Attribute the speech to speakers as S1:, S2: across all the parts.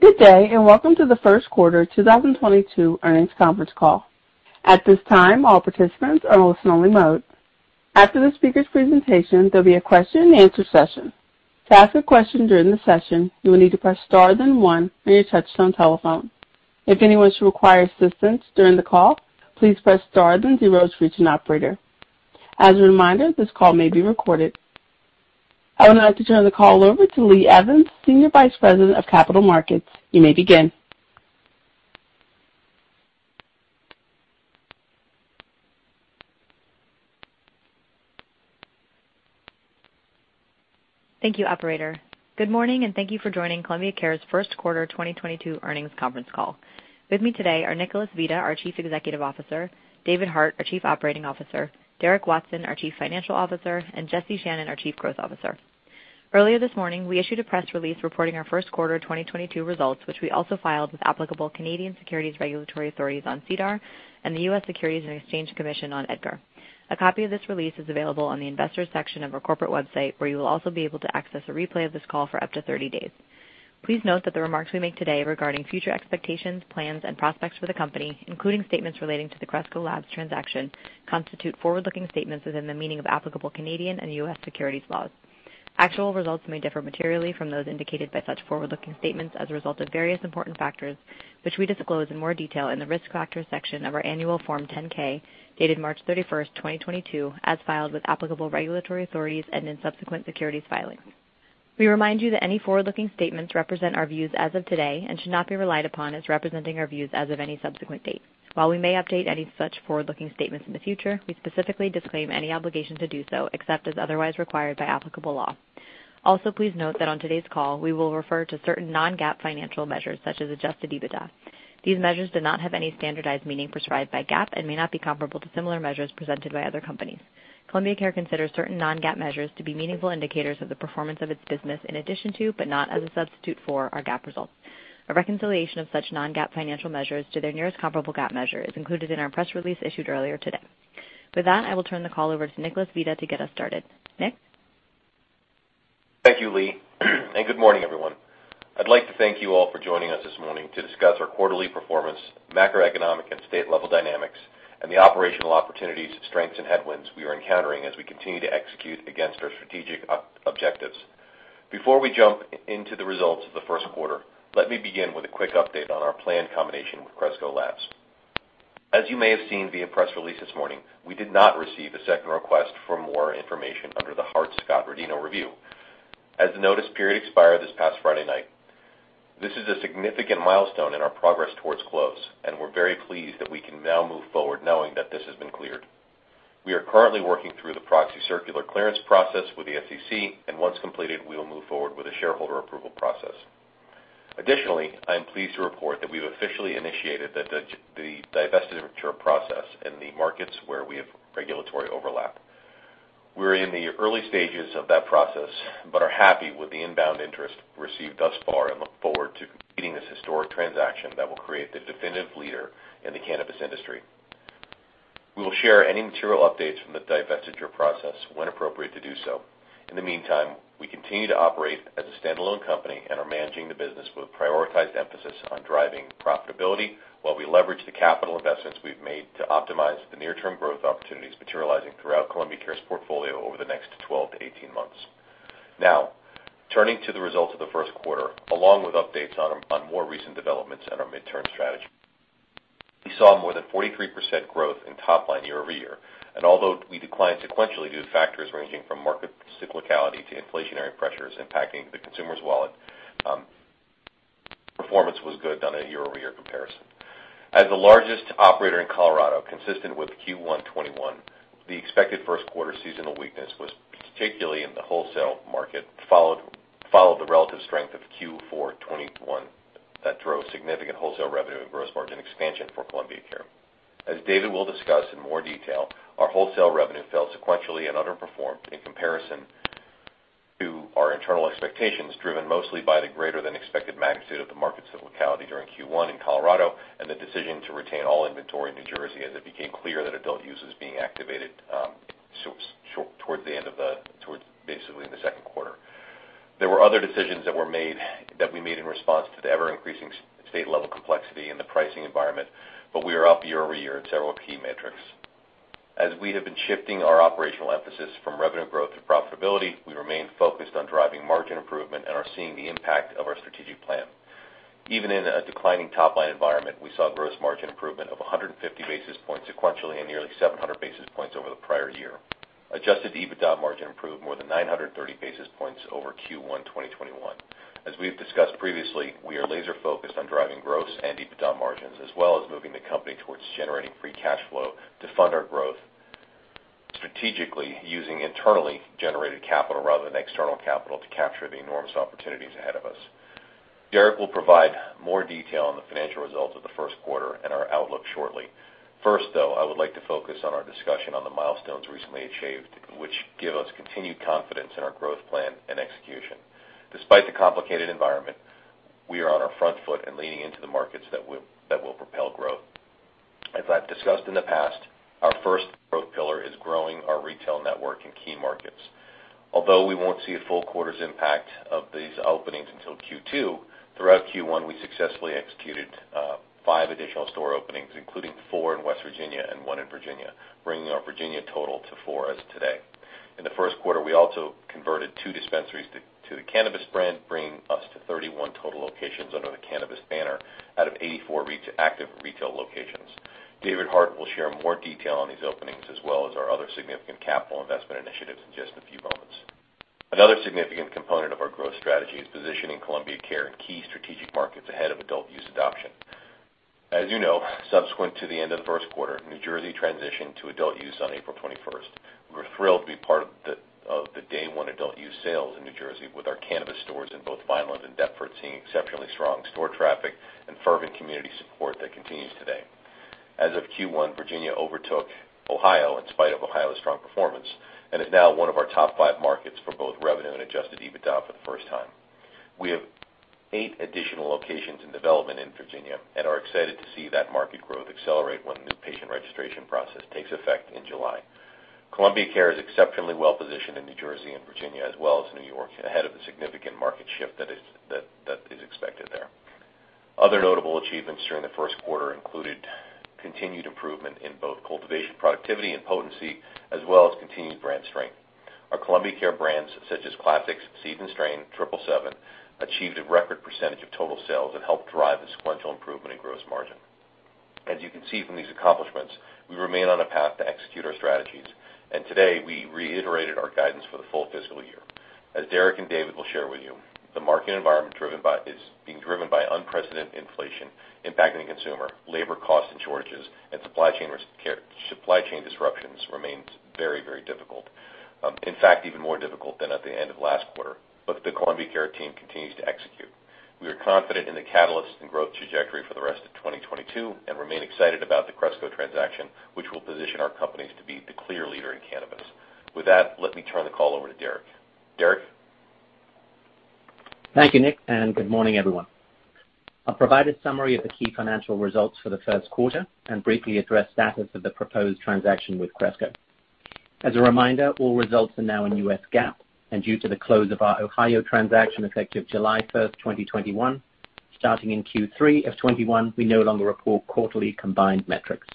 S1: Good day, and welcome to the first quarter 2022 earnings conference call. At this time, all participants are in listen-only mode. After the speaker's presentation, there'll be a question-and-answer session. To ask a question during the session, you will need to press star then one on your touchtone telephone. If anyone should require assistance during the call, please press star then zero to reach an operator. As a reminder, this call may be recorded. I would now like to turn the call over to Lee Ann Evans, Senior Vice President of Capital Markets. You may begin.
S2: Thank you, operator. Good morning, and thank you for joining The Cannabist Company's first quarter 2022 earnings conference call. With me today are Nicholas Vita, our Chief Executive Officer, David Hart, our Chief Operating Officer, Derek Watson, our Chief Financial Officer, and Jesse Channon, our Chief Growth Officer. Earlier this morning, we issued a press release reporting our first quarter 2022 results, which we also filed with applicable Canadian securities regulatory authorities on SEDAR and the U.S. Securities and Exchange Commission on EDGAR. A copy of this release is available on the investors section of our corporate website, where you will also be able to access a replay of this call for up to 30 days. Please note that the remarks we make today regarding future expectations, plans and prospects for the company, including statements relating to the Cresco Labs transaction, constitute forward-looking statements within the meaning of applicable Canadian and U.S. securities laws. Actual results may differ materially from those indicated by such forward-looking statements as a result of various important factors, which we disclose in more detail in the Risk Factors section of our annual Form 10-K, dated March 31st, 2022, as filed with applicable regulatory authorities and in subsequent securities filings. We remind you that any forward-looking statements represent our views as of today and should not be relied upon as representing our views as of any subsequent date. While we may update any such forward-looking statements in the future, we specifically disclaim any obligation to do so, except as otherwise required by applicable law. Also, please note that on today's call, we will refer to certain non-GAAP financial measures such as Adjusted EBITDA. These measures do not have any standardized meaning prescribed by GAAP and may not be comparable to similar measures presented by other companies. The Cannabist Company considers certain non-GAAP measures to be meaningful indicators of the performance of its business in addition to, but not as a substitute for, our GAAP results. A reconciliation of such non-GAAP financial measures to their nearest comparable GAAP measure is included in our press release issued earlier today. With that, I will turn the call over to Nicholas Vita to get us started. Nick?
S3: Thank you, Lee, and good morning, everyone. I'd like to thank you all for joining us this morning to discuss our quarterly performance, macroeconomic and state-level dynamics, and the operational opportunities, strengths and headwinds we are encountering as we continue to execute against our strategic objectives. Before we jump into the results of the first quarter, let me begin with a quick update on our planned combination with Cresco Labs. As you may have seen via press release this morning, we did not receive a second request for more information under the Hart-Scott-Rodino review. As the notice period expired this past Friday night, this is a significant milestone in our progress towards close, and we're very pleased that we can now move forward knowing that this has been cleared. We are currently working through the proxy circular clearance process with the SEC, and once completed, we will move forward with the shareholder approval process. Additionally, I am pleased to report that we've officially initiated the divestiture process in the markets where we have regulatory overlap. We're in the early stages of that process, but are happy with the inbound interest received thus far and look forward to completing this historic transaction that will create the definitive leader in the cannabis industry. We will share any material updates from the divestiture process when appropriate to do so. In the meantime, we continue to operate as a standalone company and are managing the business with prioritized emphasis on driving profitability while we leverage the capital investments we've made to optimize the near-term growth opportunities materializing throughout Columbia Care's portfolio over the next 12-18 months. Now, turning to the results of the first quarter, along with updates on more recent developments and our midterm strategy. We saw more than 43% growth in top line year-over-year. Although we declined sequentially due to factors ranging from market cyclicality to inflationary pressures impacting the consumer's wallet, performance was good on a year-over-year comparison. As the largest operator in Colorado, consistent with Q1 2021, the expected first quarter seasonal weakness was particularly in the wholesale market, followed the relative strength of Q4 2021 that drove significant wholesale revenue and gross margin expansion for Columbia Care. As David will discuss in more detail, our wholesale revenue fell sequentially and underperformed in comparison to our internal expectations, driven mostly by the greater than expected magnitude of the market cyclicality during Q1 in Colorado and the decision to retain all inventory in New Jersey as it became clear that adult use is being activated, so it was towards basically in the second quarter. There were other decisions that we made in response to the ever-increasing state-level complexity in the pricing environment, but we are up year-over-year in several key metrics. As we have been shifting our operational emphasis from revenue growth to profitability, we remain focused on driving margin improvement and are seeing the impact of our strategic plan. Even in a declining top-line environment, we saw gross margin improvement of 150 basis points sequentially and nearly 700 basis points over the prior year. Adjusted EBITDA margin improved more than 930 basis points over Q1 2021. As we've discussed previously, we are laser-focused on driving gross and EBITDA margins, as well as moving the company towards generating free cash flow to fund our growth strategically using internally generated capital rather than external capital to capture the enormous opportunities ahead of us. Derek will provide more detail on the financial results of the first quarter and our outlook shortly. First, though, I would like to focus on our discussion on the milestones recently achieved, which give us continued confidence in our growth plan and execution. Despite the complicated environment, we are on our front foot and leaning into the markets that will propel growth. As I've discussed in the past, our first growth pillar is growing our retail network in key markets. Although we won't see a full quarter's impact of these openings until Q2, throughout Q1, we successfully executed five additional store openings, including four in West Virginia and one in Virginia, bringing our Virginia total to four as of today. In the first quarter, we also converted two dispensaries to the Cannabist brand, bringing us to 31 total locations under the Cannabist banner out of 84 active retail locations. David Hart will share more detail on these openings as well as our other significant capital investment initiatives in just a few moments. Another significant component of our growth strategy is positioning Columbia Care in key strategic markets ahead of adult use adoption. As you know, subsequent to the end of the first quarter, New Jersey transitioned to adult use on April 21st. We were thrilled to be part of the day one adult use sales in New Jersey with our Cannabist stores in both Vineland and Deptford, seeing exceptionally strong store traffic and fervent community support that continues today. As of Q1, Virginia overtook Ohio in spite of Ohio's strong performance, and is now one of our top five markets for both revenue and Adjusted EBITDA for the first time. We have eight additional locations in development in Virginia and are excited to see that market growth accelerate when the new patient registration process takes effect in July. Columbia Care is exceptionally well-positioned in New Jersey and Virginia, as well as New York, ahead of the significant market shift that is expected there. Other notable achievements during the first quarter included continued improvement in both cultivation, productivity and potency, as well as continued brand strength. Our Columbia Care brands such as Classix, Seed & Strain, Triple Seven, achieved a record percentage of total sales and helped drive the sequential improvement in gross margin. As you can see from these accomplishments, we remain on a path to execute our strategies, and today we reiterated our guidance for the full fiscal year. As Derek and David will share with you, the market environment is being driven by unprecedented inflation impacting the consumer, labor costs and shortages, and supply chain disruptions remains very difficult. In fact, even more difficult than at the end of last quarter. The Columbia Care team continues to execute. We are confident in the catalyst and growth trajectory for the rest of 2022 and remain excited about the Cresco transaction, which will position our companies to be the clear leader in cannabis. With that, let me turn the call over to Derek. Derek?
S4: Thank you, Nick, and good morning, everyone. I'll provide a summary of the key financial results for the first quarter and briefly address status of the proposed transaction with Cresco. As a reminder, all results are now in U.S. GAAP, and due to the close of our Ohio transaction effective July 1st, 2021, starting in Q3 of 2021, we no longer report quarterly combined metrics.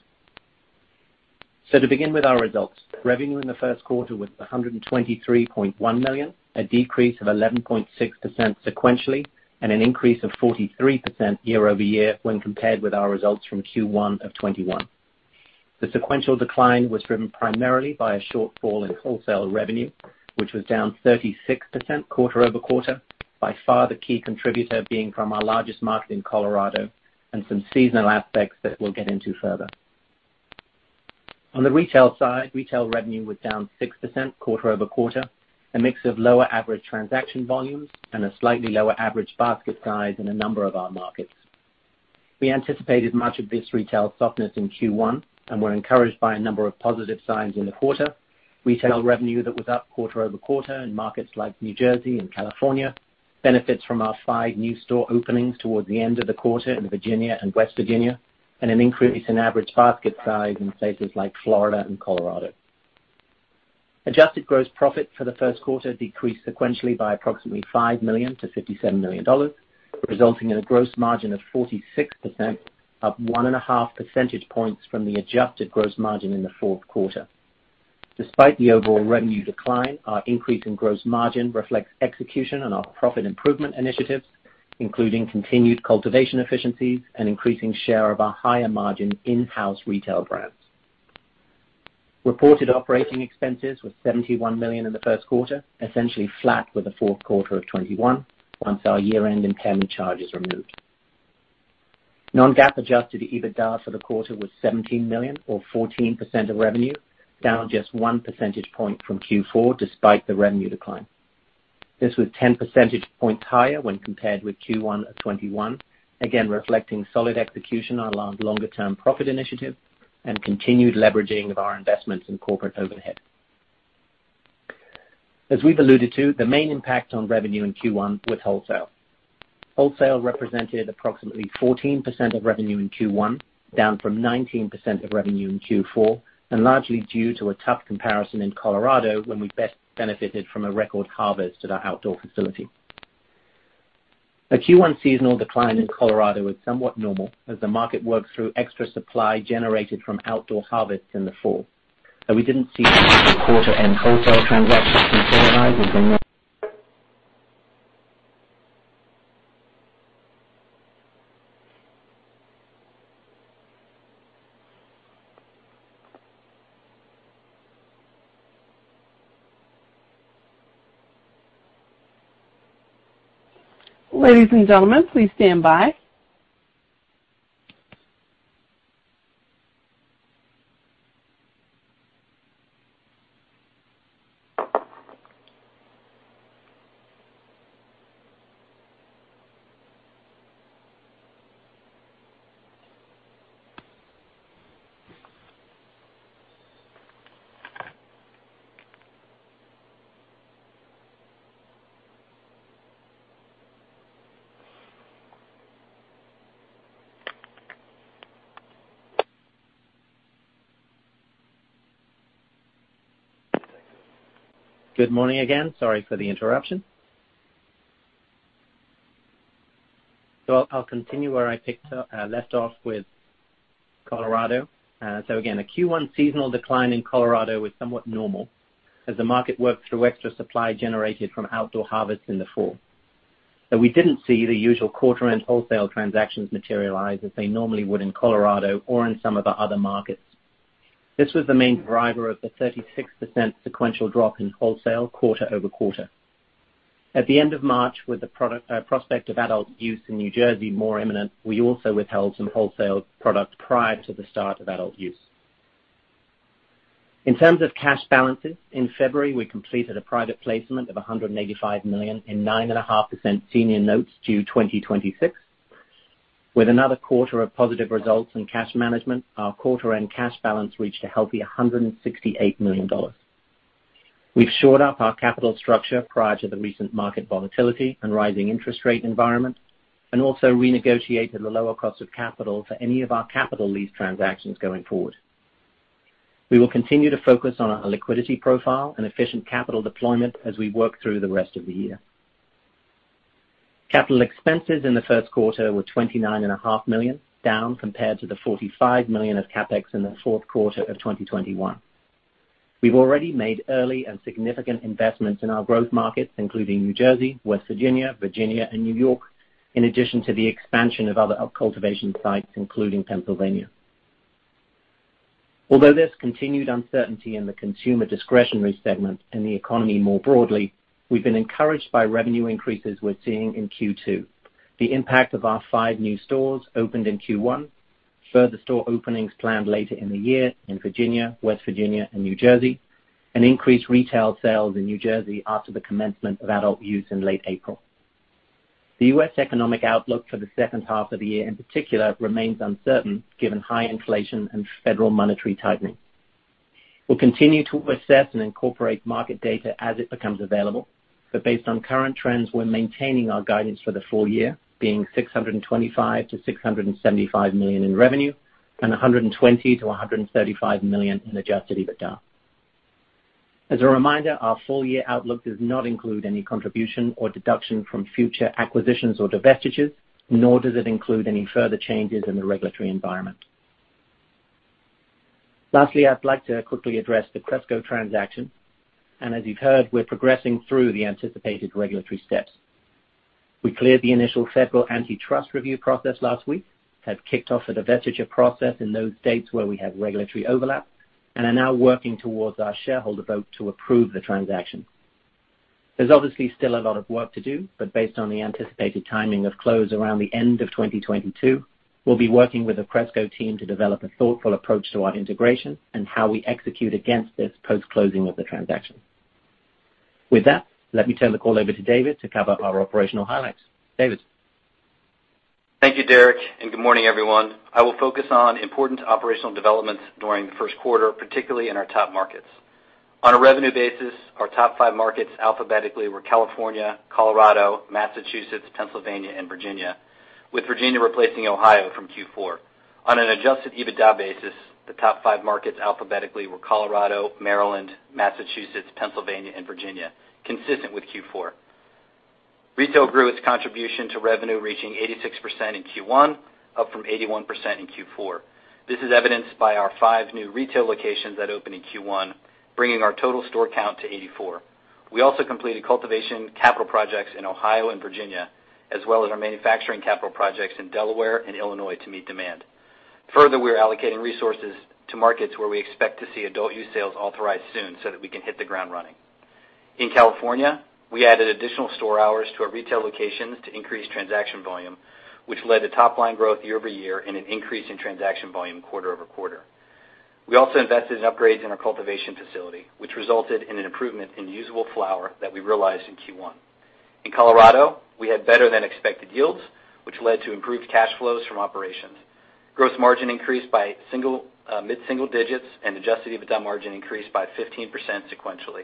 S4: To begin with our results, revenue in the first quarter was $123.1 million, a decrease of 11.6% sequentially, and an increase of 43% year-over-year when compared with our results from Q1 of 2021. The sequential decline was driven primarily by a shortfall in wholesale revenue, which was down 36% quarter-over-quarter, by far the key contributor being from our largest market in Colorado and some seasonal aspects that we'll get into further. On the retail side, retail revenue was down 6% quarter-over-quarter, a mix of lower average transaction volumes and a slightly lower average basket size in a number of our markets. We anticipated much of this retail softness in Q1 and were encouraged by a number of positive signs in the quarter. Retail revenue that was up quarter-over-quarter in markets like New Jersey and California, benefits from our five new store openings towards the end of the quarter in Virginia and West Virginia, and an increase in average basket size in places like Florida and Colorado. Adjusted gross profit for the first quarter decreased sequentially by approximately $5 million-$57 million, resulting in a gross margin of 46%, up 1.5 percentage points from the adjusted gross margin in the fourth quarter. Despite the overall revenue decline, our increase in gross margin reflects execution on our profit improvement initiatives, including continued cultivation efficiencies and increasing share of our higher margin in-house retail brands. Reported operating expenses were $71 million in the first quarter, essentially flat with the fourth quarter of 2021 once our year-end impairment charge is removed. Non-GAAP Adjusted EBITDA for the quarter was $17 million or 14% of revenue, down just one percentage point from Q4 despite the revenue decline. This was 10 percentage points higher when compared with Q1 of 2021, again reflecting solid execution on our longer-term profit initiative and continued leveraging of our investments in corporate overhead. As we've alluded to, the main impact on revenue in Q1 was wholesale. Wholesale represented approximately 14% of revenue in Q1, down from 19% of revenue in Q4, and largely due to a tough comparison in Colorado when we best benefited from a record harvest at our outdoor facility. A Q1 seasonal decline in Colorado was somewhat normal as the market worked through extra supply generated from outdoor harvest in the fall. We didn't see quarter end wholesale transactions.
S1: Ladies and gentlemen, please stand by.
S4: Good morning again. Sorry for the interruption. I'll continue where I picked up, left off with Colorado. Again, a Q1 seasonal decline in Colorado was somewhat normal as the market worked through extra supply generated from outdoor harvest in the fall. We didn't see the usual quarter-end wholesale transactions materialize as they normally would in Colorado or in some of the other markets. This was the main driver of the 36% sequential drop in wholesale quarter-over-quarter. At the end of March, with the prospect of adult use in New Jersey more imminent, we also withheld some wholesale product prior to the start of adult use. In terms of cash balances, in February, we completed a private placement of $185 million in 9.5% senior notes due 2026. With another quarter of positive results in cash management, our quarter-end cash balance reached a healthy $168 million. We've shored up our capital structure prior to the recent market volatility and rising interest rate environment, and also renegotiated the lower cost of capital for any of our capital lease transactions going forward. We will continue to focus on our liquidity profile and efficient capital deployment as we work through the rest of the year. Capital expenses in the first quarter were $29.5 million, down compared to the $45 million of CapEx in the fourth quarter of 2021. We've already made early and significant investments in our growth markets, including New Jersey, West Virginia, and New York, in addition to the expansion of other cultivation sites, including Pennsylvania. Although there's continued uncertainty in the consumer discretionary segment and the economy more broadly, we've been encouraged by revenue increases we're seeing in Q2. The impact of our five new stores opened in Q1, further store openings planned later in the year in Virginia, West Virginia, and New Jersey, an increased retail sales in New Jersey after the commencement of adult use in late April. The U.S. economic outlook for the second half of the year, in particular, remains uncertain given high inflation and federal monetary tightening. We'll continue to assess and incorporate market data as it becomes available. Based on current trends, we're maintaining our guidance for the full year, being $625 million-$675 million in revenue and $120 million-$135 million in Adjusted EBITDA. As a reminder, our full year outlook does not include any contribution or deduction from future acquisitions or divestitures, nor does it include any further changes in the regulatory environment. Lastly, I'd like to quickly address the Cresco transaction. As you've heard, we're progressing through the anticipated regulatory steps. We cleared the initial federal antitrust review process last week, have kicked off a divestiture process in those states where we have regulatory overlap, and are now working towards our shareholder vote to approve the transaction. There's obviously still a lot of work to do, but based on the anticipated timing of close around the end of 2022, we'll be working with the Cresco team to develop a thoughtful approach to our integration and how we execute against this post-closing of the transaction. With that, let me turn the call over to David to cover our operational highlights. David.
S5: Thank you, Derek, and good morning, everyone. I will focus on important operational developments during the first quarter, particularly in our top markets. On a revenue basis, our top five markets alphabetically were California, Colorado, Massachusetts, Pennsylvania, and Virginia, with Virginia replacing Ohio from Q4. On an Adjusted EBITDA basis, the top five markets alphabetically were Colorado, Maryland, Massachusetts, Pennsylvania, and Virginia, consistent with Q4. Retail grew its contribution to revenue, reaching 86% in Q1, up from 81% in Q4. This is evidenced by our five new retail locations that opened in Q1, bringing our total store count to 84. We also completed cultivation capital projects in Ohio and Virginia, as well as our manufacturing capital projects in Delaware and Illinois to meet demand. Further, we are allocating resources to markets where we expect to see adult use sales authorized soon so that we can hit the ground running. In California, we added additional store hours to our retail locations to increase transaction volume, which led to top line growth year-over-year and an increase in transaction volume quarter-over-quarter. We also invested in upgrades in our cultivation facility, which resulted in an improvement in usable flower that we realized in Q1. In Colorado, we had better than expected yields, which led to improved cash flows from operations. Gross margin increased by single, mid-single digits, and Adjusted EBITDA margin increased by 15% sequentially.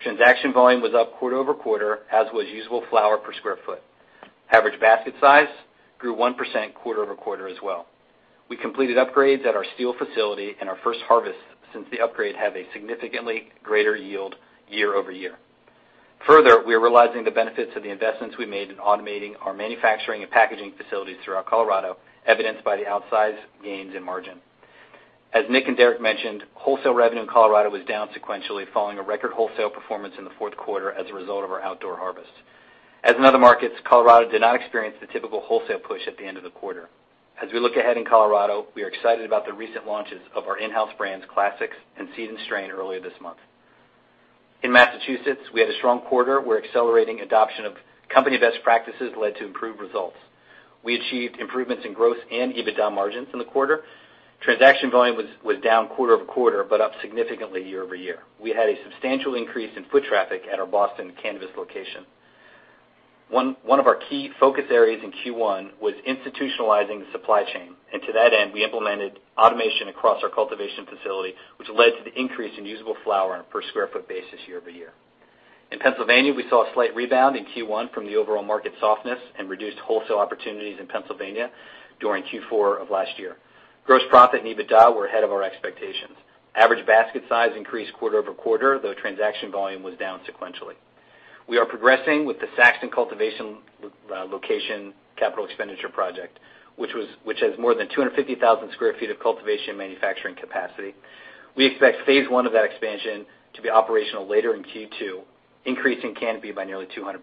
S5: Transaction volume was up quarter-over-quarter, as was usable flower per square foot. Average basket size grew 1% quarter-over-quarter as well. We completed upgrades at our Steele Street facility, and our first harvest since the upgrade have a significantly greater yield year-over-year. Further, we are realizing the benefits of the investments we made in automating our manufacturing and packaging facilities throughout Colorado, evidenced by the outsized gains in margin. As Nick and Derek mentioned, wholesale revenue in Colorado was down sequentially, following a record wholesale performance in the fourth quarter as a result of our outdoor harvest. As in other markets, Colorado did not experience the typical wholesale push at the end of the quarter. As we look ahead in Colorado, we are excited about the recent launches of our in-house brands, Classix and Seed & Strain, earlier this month. In Massachusetts, we had a strong quarter where accelerating adoption of company best practices led to improved results. We achieved improvements in growth and EBITDA margins in the quarter. Transaction volume was down quarter-over-quarter, but up significantly year-over-year. We had a substantial increase in foot traffic at our Boston Cannabis location. One of our key focus areas in Q1 was institutionalizing the supply chain. To that end, we implemented automation across our cultivation facility, which led to the increase in usable flower on a per sq ft basis year-over-year. In Pennsylvania, we saw a slight rebound in Q1 from the overall market softness and reduced wholesale opportunities in Pennsylvania during Q4 of last year. Gross profit and EBITDA were ahead of our expectations. Average basket size increased quarter-over-quarter, though transaction volume was down sequentially. We are progressing with the Saxton cultivation location capital expenditure project, which has more than 250,000 sq ft of cultivation manufacturing capacity. We expect phase I of that expansion to be operational later in Q2, increasing canopy by nearly 200%.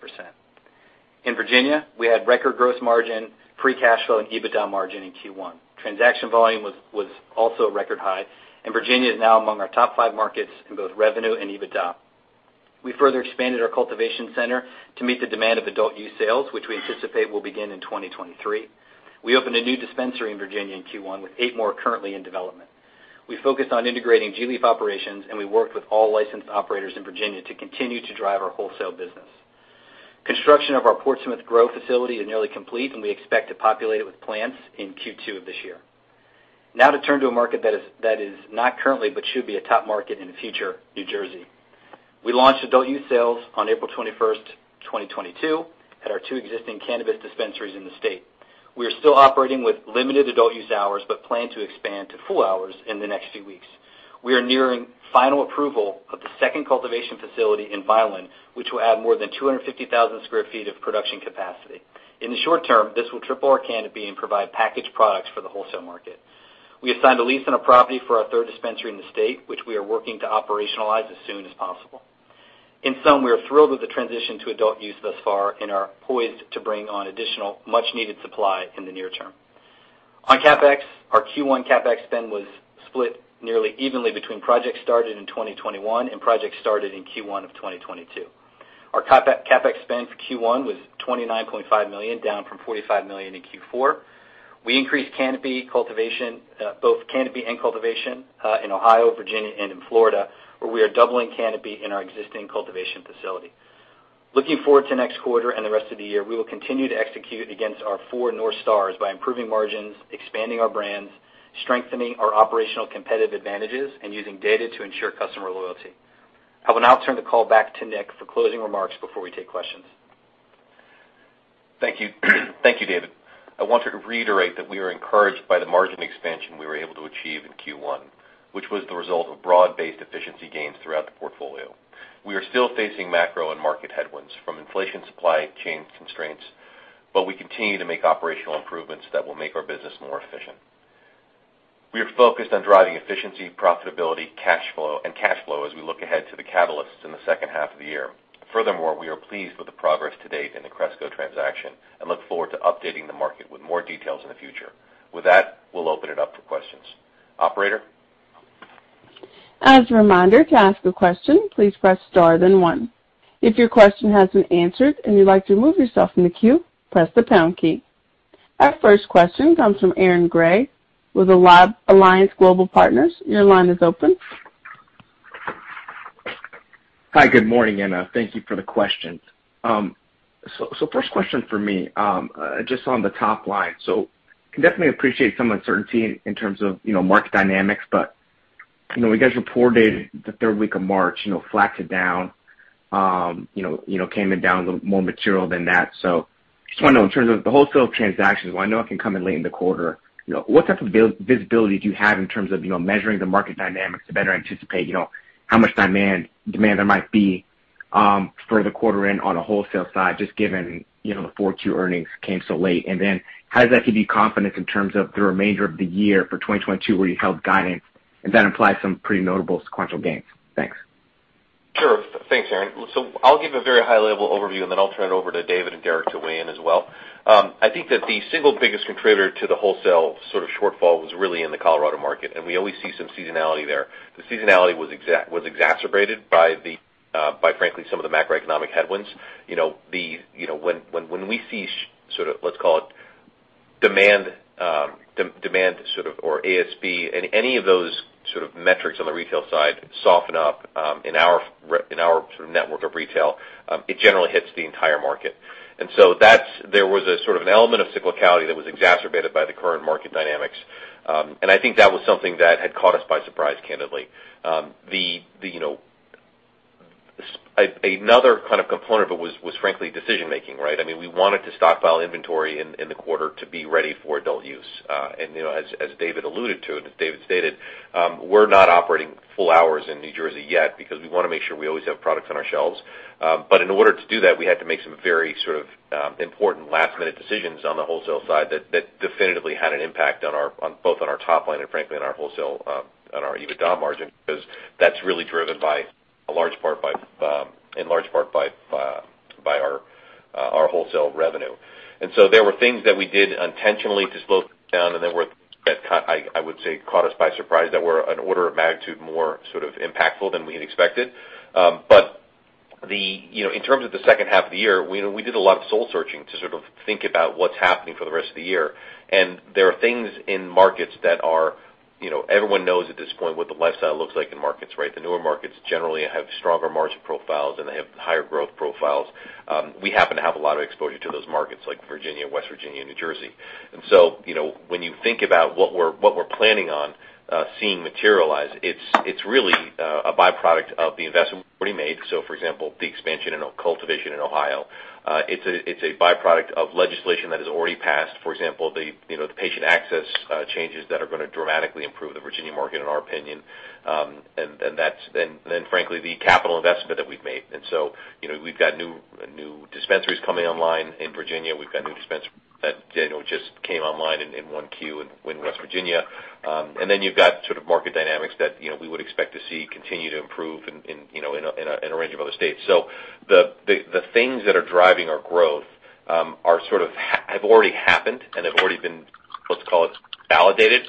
S5: In Virginia, we had record gross margin, free cash flow, and EBITDA margin in Q1. Transaction volume was also record high, and Virginia is now among our top five markets in both revenue and EBITDA. We further expanded our cultivation center to meet the demand of adult use sales, which we anticipate will begin in 2023. We opened a new dispensary in Virginia in Q1, with eight more currently in development. We focused on integrating gLeaf operations, and we worked with all licensed operators in Virginia to continue to drive our wholesale business. Construction of our Portsmouth grow facility is nearly complete, and we expect to populate it with plants in Q2 of this year. Now to turn to a market that is not currently, but should be a top market in the future, New Jersey. We launched adult use sales on April 21st, 2022, at our two existing cannabis dispensaries in the state. We are still operating with limited adult use hours, but plan to expand to full hours in the next few weeks. We are nearing final approval of the second cultivation facility in Vineland, which will add more than 250,000 sq ft of production capacity. In the short term, this will triple our canopy and provide packaged products for the wholesale market. We assigned a lease on a property for our third dispensary in the state, which we are working to operationalize as soon as possible. In sum, we are thrilled with the transition to adult use thus far and are poised to bring on additional much-needed supply in the near term. On CapEx, our Q1 CapEx spend was split nearly evenly between projects started in 2021 and projects started in Q1 of 2022. Our CapEx spend for Q1 was $29.5 million, down from $45 million in Q4. We increased canopy cultivation, both canopy and cultivation, in Ohio, Virginia, and in Florida, where we are doubling canopy in our existing cultivation facility. Looking forward to next quarter and the rest of the year, we will continue to execute against our four North Stars by improving margins, expanding our brands, strengthening our operational competitive advantages, and using data to ensure customer loyalty. I will now turn the call back to Nick for closing remarks before we take questions.
S3: Thank you. Thank you, David. I want to reiterate that we are encouraged by the margin expansion we were able to achieve in Q1, which was the result of broad-based efficiency gains throughout the portfolio. We are still facing macro and market headwinds from inflation, supply chain constraints, but we continue to make operational improvements that will make our business more efficient. We are focused on driving efficiency, profitability, cash flow as we look ahead to the catalysts in the second half of the year. Furthermore, we are pleased with the progress to date in the Cresco transaction and look forward to updating the market with more details in the future. With that, we'll open it up for questions. Operator?
S1: As a reminder, to ask a question, please press star then one. If your question has been answered and you'd like to remove yourself from the queue, press the pound key. Our first question comes from Aaron Grey with Alliance Global Partners. Your line is open.
S6: Hi, good morning, and thank you for the questions. First question for me, just on the top line. Can definitely appreciate some uncertainty in terms of, you know, market dynamics, but, you know, when you guys reported the third week of March, you know, flat to down, you know, came in down a little more material than that. Just wanna know in terms of the wholesale transactions, while I know it can come in late in the quarter, you know, what type of visibility do you have in terms of, you know, measuring the market dynamics to better anticipate, you know, how much demand there might be, for the quarter end on a wholesale side, just given, you know, the 4Q earnings came so late? How does that give you confidence in terms of the remainder of the year for 2022, where you held guidance and that implies some pretty notable sequential gains? Thanks.
S3: Sure. Thanks, Aaron. I'll give a very high-level overview, and then I'll turn it over to David and Derek to weigh in as well. I think that the single biggest contributor to the wholesale sort of shortfall was really in the Colorado market, and we always see some seasonality there. The seasonality was exacerbated by frankly, some of the macroeconomic headwinds. You know, when we see sort of, let's call it demand sort of, or ABS and any of those sort of metrics on the retail side soften up, in our sort of network of retail, it generally hits the entire market. That's an element of cyclicality that was exacerbated by the current market dynamics. I think that was something that had caught us by surprise, candidly. Another kind of component of it was frankly decision-making, right? I mean, we wanted to stockpile inventory in the quarter to be ready for adult use. As David alluded to, and as David stated, we're not operating full hours in New Jersey yet because we wanna make sure we always have products on our shelves. In order to do that, we had to make some very sort of important last-minute decisions on the wholesale side that definitively had an impact on both our top line and frankly, on our wholesale EBITDA margin, because that's really driven in large part by our wholesale revenue. There were things that we did intentionally to slow down and there were things that caught us by surprise that were an order of magnitude more sort of impactful than we had expected. You know, in terms of the second half of the year, we did a lot of soul searching to sort of think about what's happening for the rest of the year. There are things in markets that are, you know, everyone knows at this point what the lifestyle looks like in markets, right? The newer markets generally have stronger margin profiles, and they have higher growth profiles. We happen to have a lot of exposure to those markets like Virginia, West Virginia, and New Jersey. You know, when you think about what we're planning on seeing materialize, it's really a by-product of the investment we've already made. For example, the expansion in cultivation in Ohio. It's a by-product of legislation that has already passed, for example, the patient access changes that are gonna dramatically improve the Virginia market, in our opinion. Frankly, the capital investment that we've made. You know, we've got new dispensaries coming online in Virginia. We've got new dispensaries that just came online in 1Q in West Virginia. You've got sort of market dynamics that you know we would expect to see continue to improve in you know in a range of other states. The things that are driving our growth are sort of have already happened and have already been, let's call it, validated.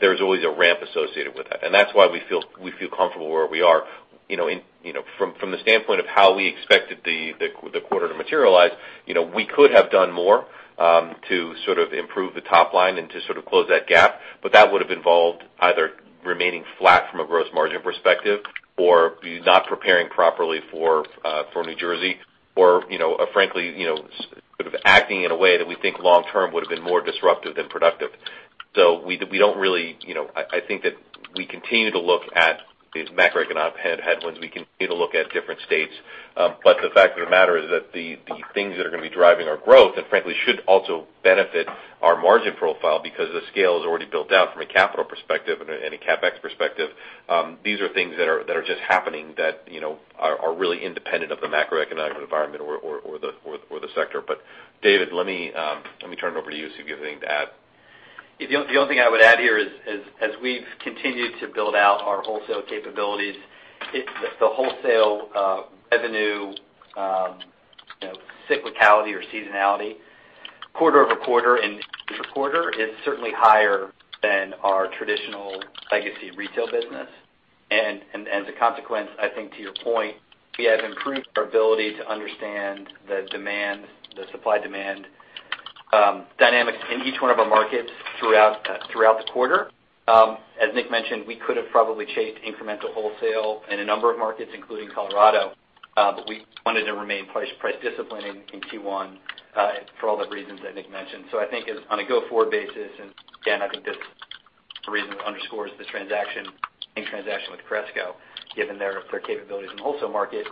S3: There's always a ramp associated with that. That's why we feel comfortable where we are, you know, from the standpoint of how we expected the quarter to materialize, you know. We could have done more to sort of improve the top line and to sort of close that gap, but that would've involved either remaining flat from a gross margin perspective or not preparing properly for New Jersey or, you know, frankly, sort of acting in a way that we think long term would've been more disruptive than productive. We don't really, you know. I think that we continue to look at these macroeconomic headwinds. We continue to look at different states. The fact of the matter is that the things that are gonna be driving our growth, and frankly should also benefit our margin profile because the scale is already built out from a capital perspective and a CapEx perspective, these are things that are just happening that, you know, are really independent of the macroeconomic environment or the sector. David, let me turn it over to you, see if you have anything to add.
S5: The only thing I would add here is as we've continued to build out our wholesale capabilities. The wholesale revenue, you know, cyclicality or seasonality quarter-over-quarter and quarter is certainly higher than our traditional legacy retail business. As a consequence, I think to your point, we have improved our ability to understand the demand, the supply-demand dynamics in each one of our markets throughout the quarter. As Nick mentioned, we could have probably chased incremental wholesale in a number of markets, including Colorado, but we wanted to remain price disciplined in Q1 for all the reasons that Nick mentioned. I think on a go-forward basis, and again, I think this is a reason that underscores this transaction, any transaction with Cresco, given their capabilities in the wholesale market,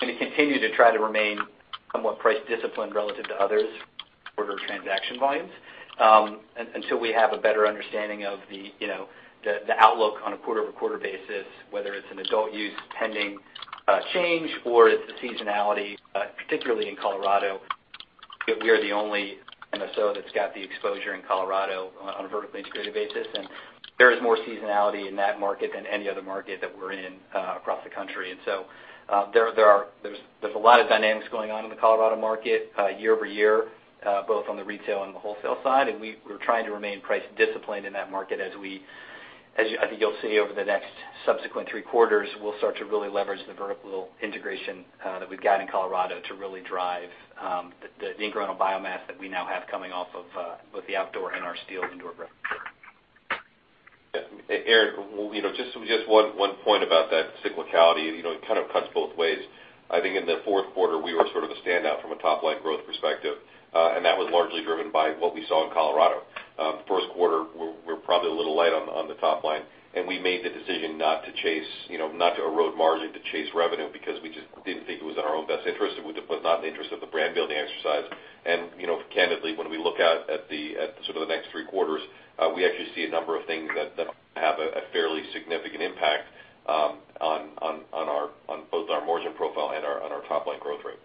S5: I'm gonna continue to try to remain somewhat price disciplined relative to others for their transaction volumes, until we have a better understanding of the, you know, the outlook on a quarter-over-quarter basis, whether it's an adult use pending change or it's the seasonality, particularly in Colorado. We are the only MSO that's got the exposure in Colorado on a vertically integrated basis, and there is more seasonality in that market than any other market that we're in, across the country. There are a lot of dynamics going on in the Colorado market, year-over-year, both on the retail and the wholesale side, and we're trying to remain price disciplined in that market as we. I think you'll see over the next subsequent three quarters, we'll start to really leverage the vertical integration that we've got in Colorado to really drive the incremental biomass that we now have coming off of both the outdoor and our Steele indoor growth.
S3: Aaron, well, you know, just one point about that cyclicality, you know, it kind of cuts both ways. I think in the fourth quarter, we were sort of a standout from a top-line growth perspective, and that was largely driven by what we saw in Colorado. First quarter, we're probably a little light on the top line, and we made the decision not to chase, you know, not to erode margin to chase revenue because we just didn't think it was in our own best interest and would have been not in the interest of the brand building exercise. You know, candidly, when we look out at sort of the next three quarters, we actually see a number of things that have a fairly significant impact on both our margin profile and our top-line growth rate.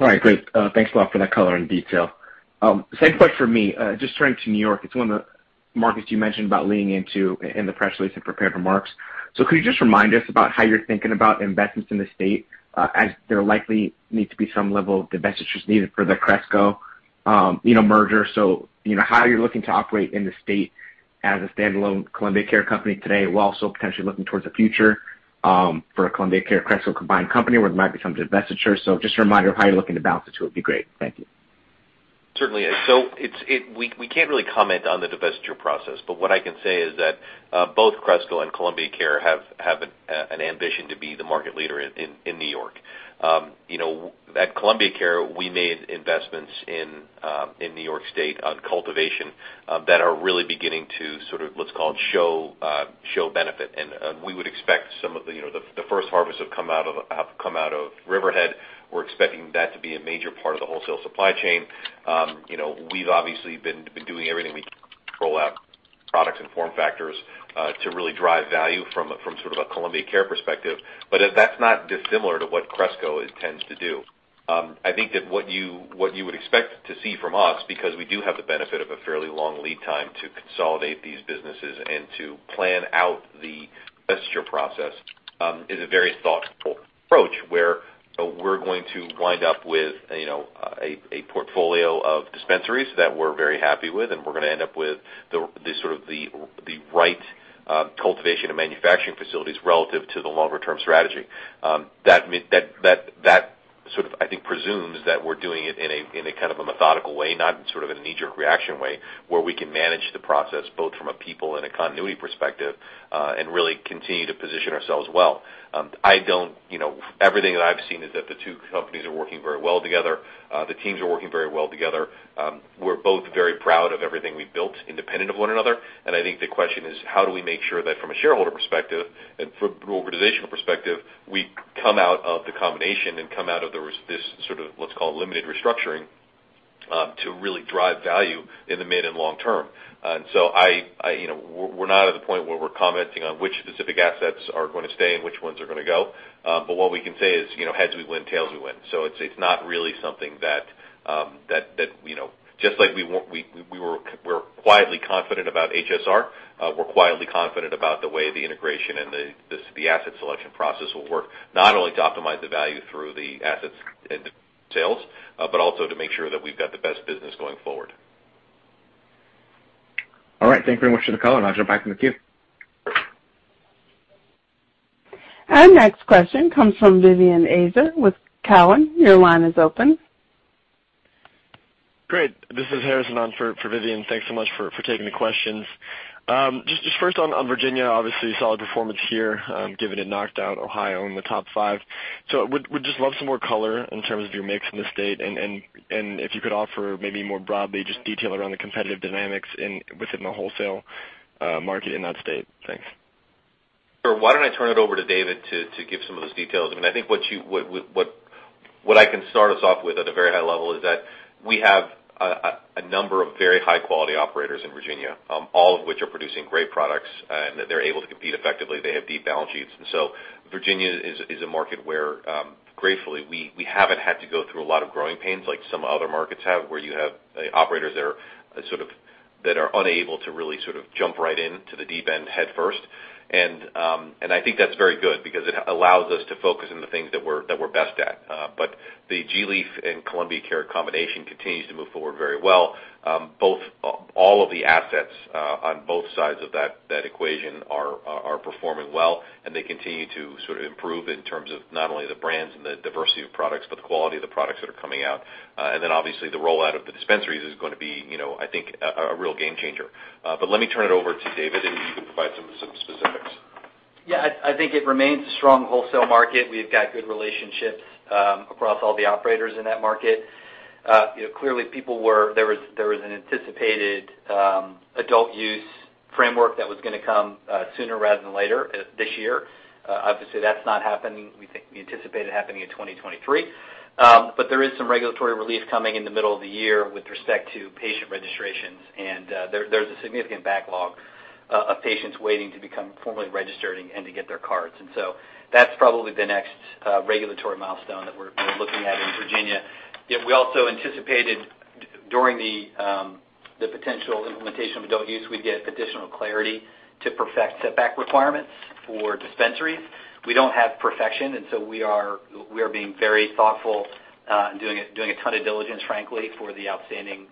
S6: All right. Great. Thanks a lot for that color and detail. Same question from me. Just turning to New York, it's one of the markets you mentioned about leaning into in the press release and prepared remarks. Could you just remind us about how you're thinking about investments in the state, as there likely needs to be some level of divestitures needed for the Cresco Labs merger. You know, how you're looking to operate in the state as a standalone Columbia Care company today, while also potentially looking towards the future, for a Columbia Care Cresco Labs combined company where there might be some divestiture. Just a reminder of how you're looking to balance the two would be great. Thank you.
S3: Certainly. We can't really comment on the divestiture process, but what I can say is that both Cresco and Columbia Care have an ambition to be the market leader in New York. You know, at Columbia Care, we made investments in New York State on cultivation that are really beginning to sort of, let's call it, show benefit. We would expect some of the, you know, the first harvest have come out of Riverhead. We're expecting that to be a major part of the wholesale supply chain. You know, we've obviously been doing everything we can to roll out products and form factors to really drive value from sort of a Columbia Care perspective. That's not dissimilar to what Cresco intends to do. I think that what you would expect to see from us, because we do have the benefit of a fairly long lead time to consolidate these businesses and to plan out the divestiture process, is a very thoughtful approach where we're going to wind up with, you know, a portfolio of dispensaries that we're very happy with, and we're gonna end up with the right cultivation and manufacturing facilities relative to the longer term strategy. That means that sort of, I think, presumes that we're doing it in a kind of a methodical way, not in sort of a knee-jerk reaction way, where we can manage the process both from a people and a continuity perspective, and really continue to position ourselves well. I don't, you know, everything that I've seen is that the two companies are working very well together. The teams are working very well together. We're both very proud of everything we've built independent of one another. I think the question is how do we make sure that from a shareholder perspective and from organizational perspective, we come out of the combination and come out of this sort of what's called limited restructuring, to really drive value in the mid and long term. I, you know, we're not at the point where we're commenting on which specific assets are gonna stay and which ones are gonna go. But what we can say is, you know, heads we win, tails we win. It's not really something that, you know, just like we're quietly confident about HSR, we're quietly confident about the way the integration and the asset selection process will work, not only to optimize the value through the assets and the sales, but also to make sure that we've got the best business going forward.
S6: All right, thank you very much for the color. I'll jump back in the queue.
S1: Our next question comes from Vivien Azer with Cowen. Your line is open.
S7: Great. This is Harrison on for Vivien. Thanks so much for taking the questions. Just first on Virginia, obviously, solid performance here, given it knocked out Ohio in the top five. Would just love some more color in terms of your mix in the state and if you could offer maybe more broadly just detail around the competitive dynamics within the wholesale market in that state. Thanks.
S3: Sure. Why don't I turn it over to David to give some of those details. I mean, I think what I can start us off with at a very high level is that we have a number of very high quality operators in Virginia, all of which are producing great products, and they're able to compete effectively. They have deep balance sheets. Virginia is a market where, gratefully, we haven't had to go through a lot of growing pains like some other markets have, where you have operators that are sort of unable to really sort of jump right in to the deep end headfirst. I think that's very good because it allows us to focus on the things that we're best at. The gLeaf and Columbia Care combination continues to move forward very well. All of the assets on both sides of that equation are performing well, and they continue to sort of improve in terms of not only the brands and the diversity of products, but the quality of the products that are coming out. Obviously the rollout of the dispensaries is gonna be, you know, I think a real game changer. Let me turn it over to David, and he can provide some specifics.
S5: Yeah. I think it remains a strong wholesale market. We've got good relationships across all the operators in that market. You know, clearly there was an anticipated adult use framework that was gonna come sooner rather than later this year. Obviously, that's not happening. We think we anticipate it happening in 2023. There is some regulatory relief coming in the middle of the year with respect to patient registrations. There's a significant backlog of patients waiting to become formally registered and to get their cards. That's probably the next regulatory milestone that we're looking at in Virginia. Yet we also anticipated during the potential implementation of adult use, we'd get additional clarity to perfect setback requirements for dispensaries. We don't have perfection, and so we are being very thoughtful and doing a ton of diligence, frankly, for the outstanding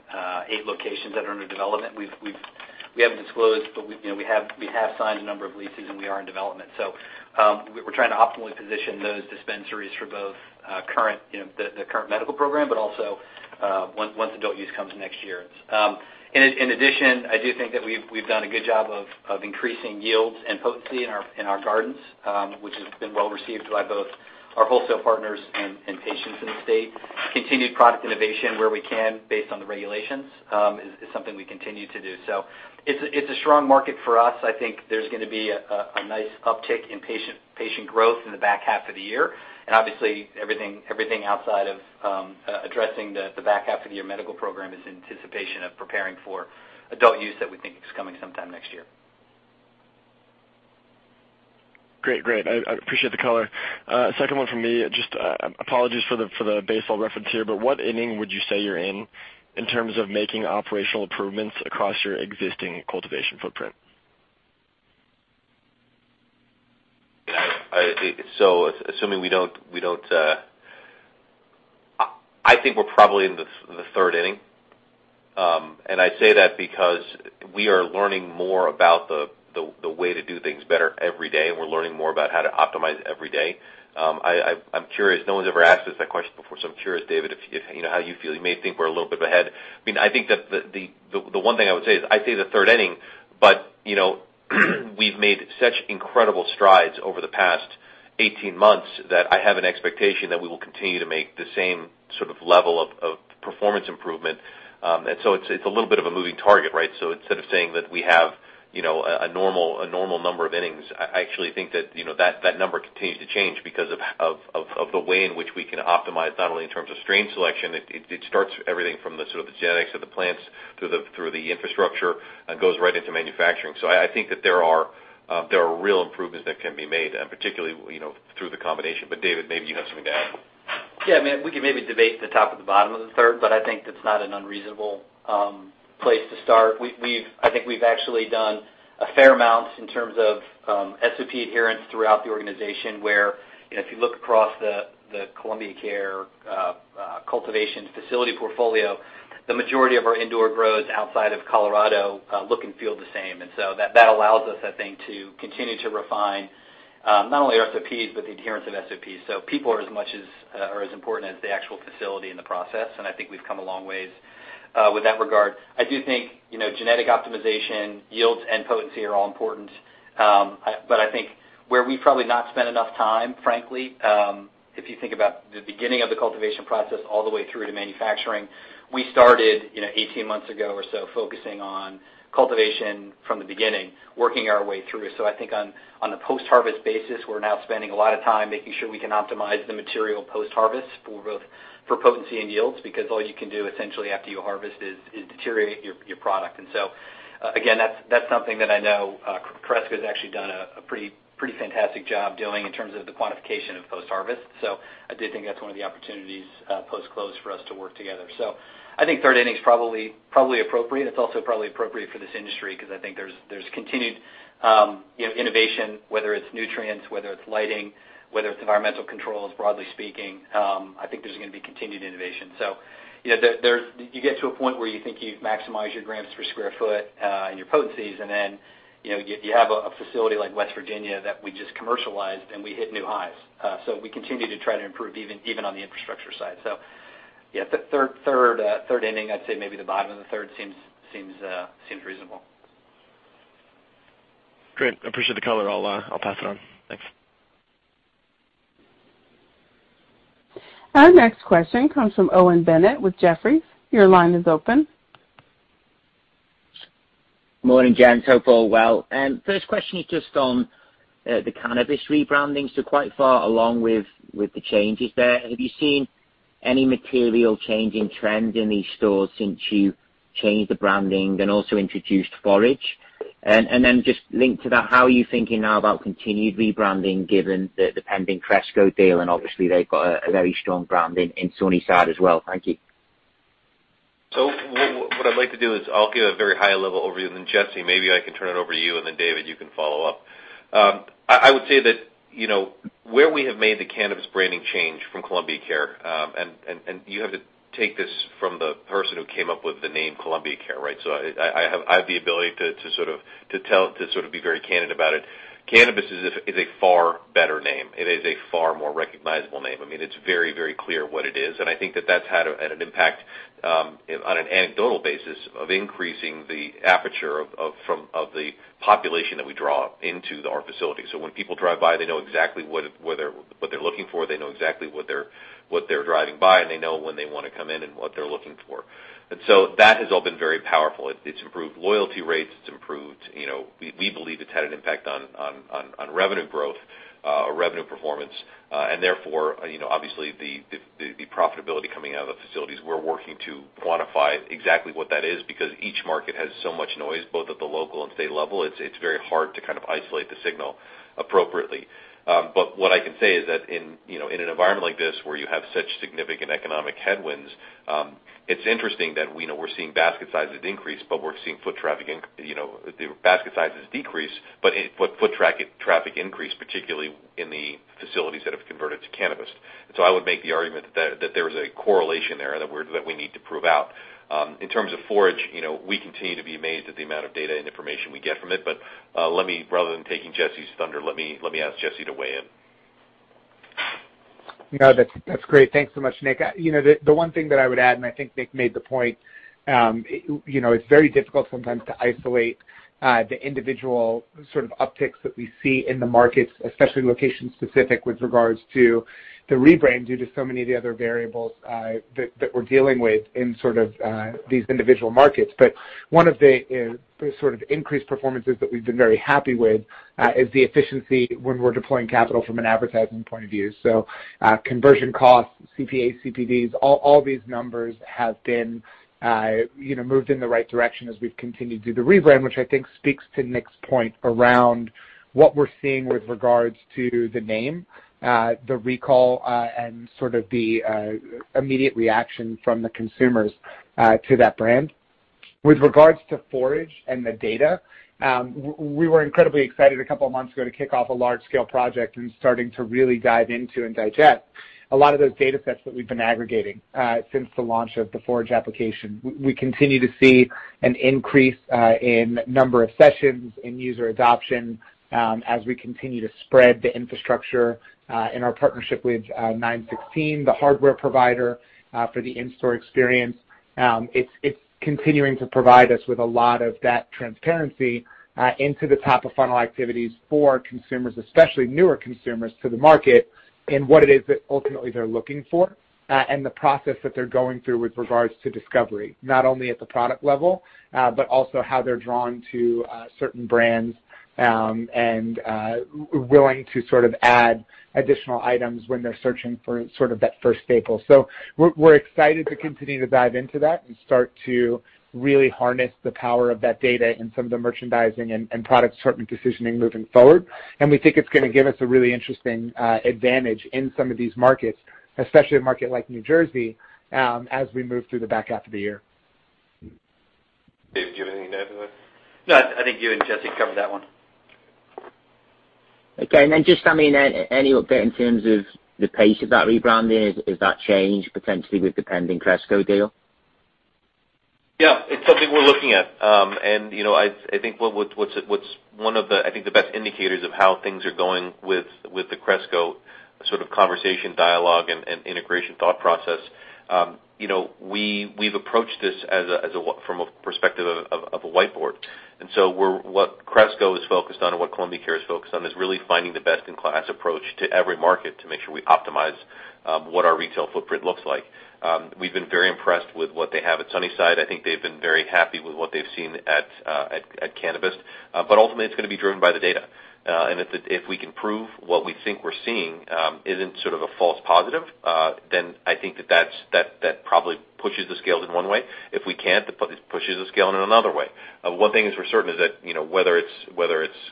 S5: eight locations that are under development. We haven't disclosed, but you know, we have signed a number of leases and we are in development. We're trying to optimally position those dispensaries for both current, you know, the current medical program, but also once adult use comes next year. In addition, I do think that we've done a good job of increasing yields and potency in our gardens, which has been well received by both our wholesale partners and patients in the state. Continued product innovation where we can based on the regulations is something we continue to do. It's a strong market for us. I think there's gonna be a nice uptick in patient growth in the back half of the year. Obviously everything outside of addressing the back half of the year medical program is anticipation of preparing for adult use that we think is coming sometime next year.
S7: Great. I appreciate the color. Second one from me. Just apologies for the baseball reference here, but what inning would you say you're in terms of making operational improvements across your existing cultivation footprint?
S3: Assuming we don't, I think we're probably in the third inning. I say that because we are learning more about the way to do things better every day, and we're learning more about how to optimize every day. I'm curious, no one's ever asked us that question before, so I'm curious, David, if you know how you feel. You may think we're a little bit ahead. I mean, I think that the one thing I would say is I'd say the third inning, but you know, we've made such incredible strides over the past 18 months that I have an expectation that we will continue to make the same sort of level of performance improvement. It's a little bit of a moving target, right? Instead of saying that we have, you know, a normal number of innings, I actually think that, you know, that number continues to change because of the way in which we can optimize not only in terms of strain selection, it starts everything from sort of the genetics of the plants through the infrastructure and goes right into manufacturing. I think that there are real improvements that can be made, and particularly, you know, through the combination. David, maybe you have something to add.
S5: Yeah, I mean, we can maybe debate the top and the bottom of the third, but I think that's not an unreasonable place to start. I think we've actually done a fair amount in terms of SOP adherence throughout the organization, where, you know, if you look across the Columbia Care Cultivation facility portfolio. The majority of our indoor grows outside of Colorado look and feel the same. That allows us, I think, to continue to refine not only SOPs, but the adherence of SOPs. People are as important as the actual facility in the process, and I think we've come a long ways with that regard. I do think, you know, genetic optimization, yields, and potency are all important. But I think where we've probably not spent enough time, frankly, if you think about the beginning of the cultivation process all the way through to manufacturing, we started, you know, 18 months ago or so focusing on cultivation from the beginning, working our way through. I think on a post-harvest basis, we're now spending a lot of time making sure we can optimize the material post-harvest for both for potency and yields because all you can do essentially after you harvest is deteriorate your product. Again, that's something that I know Cresco has actually done a pretty fantastic job doing in terms of the quantification of post-harvest. I do think that's one of the opportunities post-close for us to work together. I think third inning's probably appropriate. It's also probably appropriate for this industry because I think there's continued you know innovation, whether it's nutrients, whether it's lighting, whether it's environmental controls, broadly speaking. I think there's gonna be continued innovation. You know, there's You get to a point where you think you've maximized your grams per square foot, and your potencies, and then, you know, you have a facility like West Virginia that we just commercialized, and we hit new highs. We continue to try to improve even on the infrastructure side. Yeah, third inning, I'd say maybe the bottom of the third seems reasonable.
S6: Great. Appreciate the color. I'll pass it on. Thanks.
S1: Our next question comes from Owen Bennett with Jefferies. Your line is open.
S8: Morning, gents. Hope all well. First question is just on the cannabis rebrandings. Quite far along with the changes there, have you seen any material change in trend in these stores since you changed the branding and also introduced Forage? Just linked to that, how are you thinking now about continued rebranding given the pending Cresco deal, and obviously they've got a very strong brand in Sunnyside as well. Thank you.
S3: What I'd like to do is I'll give a very high level overview, then Jesse, maybe I can turn it over to you, and then David, you can follow up. I would say that, you know, where we have made the cannabis branding change from Columbia Care, and you have to take this from the person who came up with the name Columbia Care, right? I have the ability to sort of be very candid about it. Cannabist is a far better name. It is a far more recognizable name. I mean, it's very, very clear what it is, and I think that that's had an impact on an anecdotal basis of increasing the aperture of the population that we draw into our facility. When people drive by, they know exactly what they're looking for. They know exactly what they're driving by, and they know when they wanna come in and what they're looking for. That has all been very powerful. It's improved loyalty rates. We believe it's had an impact on revenue growth, revenue performance, and therefore obviously the profitability coming out of the facilities. We're working to quantify exactly what that is because each market has so much noise, both at the local and state level. It's very hard to kind of isolate the signal appropriately. What I can say is that in, you know, in an environment like this where you have such significant economic headwinds, it's interesting that we know we're seeing basket sizes increase, but we're seeing foot traffic decrease, but foot traffic increase, particularly in the facilities that have converted to cannabis. I would make the argument that there is a correlation there that we need to prove out. In terms of Forage, you know, we continue to be amazed at the amount of data and information we get from it. Let me, rather than taking Jesse's thunder, ask Jesse to weigh in.
S9: No, that's great. Thanks so much, Nick. You know, the one thing that I would add, and I think Nick made the point, you know, it's very difficult sometimes to isolate the individual sort of upticks that we see in the markets, especially location specific with regards to the rebrand, due to so many of the other variables that we're dealing with in sort of these individual markets. One of the sort of increased performances that we've been very happy with is the efficiency when we're deploying capital from an advertising point of view. Conversion costs, CPAs, CPDs, all these numbers have been, you know, moved in the right direction as we've continued to do the rebrand, which I think speaks to Nick's point around what we're seeing with regards to the name, the recall, and sort of the immediate reaction from the consumers to that brand. With regards to Forage and the data, we were incredibly excited a couple of months ago to kick off a large scale project and starting to really dive into and digest a lot of those data sets that we've been aggregating since the launch of the Forage application. We continue to see an increase in number of sessions and user adoption as we continue to spread the infrastructure in our partnership with 916, the hardware provider, for the in-store experience. It's continuing to provide us with a lot of that transparency into the top of funnel activities for consumers, especially newer consumers to the market, and what it is that ultimately they're looking for, and the process that they're going through with regards to discovery, not only at the product level, but also how they're drawn to certain brands, and willing to sort of add additional items when they're searching for sort of that first staple. We're excited to continue to dive into that and start to really harness the power of that data in some of the merchandising and product assortment decisioning moving forward. We think it's gonna give us a really interesting advantage in some of these markets, especially a market like New Jersey, as we move through the back half of the year.
S3: Dave, do you have anything to add to that?
S5: No, I think you and Jesse covered that one.
S8: Okay. Just, I mean, any update in terms of the pace of that rebranding? Is that changed potentially with the pending Cresco deal?
S3: Yeah, it's something we're looking at. You know, I think what's one of the best indicators of how things are going with the Cresco sort of conversation dialogue and integration thought process. You know, we've approached this from a perspective of a whiteboard. What Cresco is focused on and what Columbia Care is focused on is really finding the best in class approach to every market to make sure we optimize what our retail footprint looks like. We've been very impressed with what they have at Sunnyside. I think they've been very happy with what they've seen at Cannabist. But ultimately it's gonna be driven by the data. If it If we can prove what we think we're seeing isn't sort of a false positive, then I think that that probably pushes the scales in one way. If we can't, it pushes the scale in another way. One thing is for certain, that you know, whether it's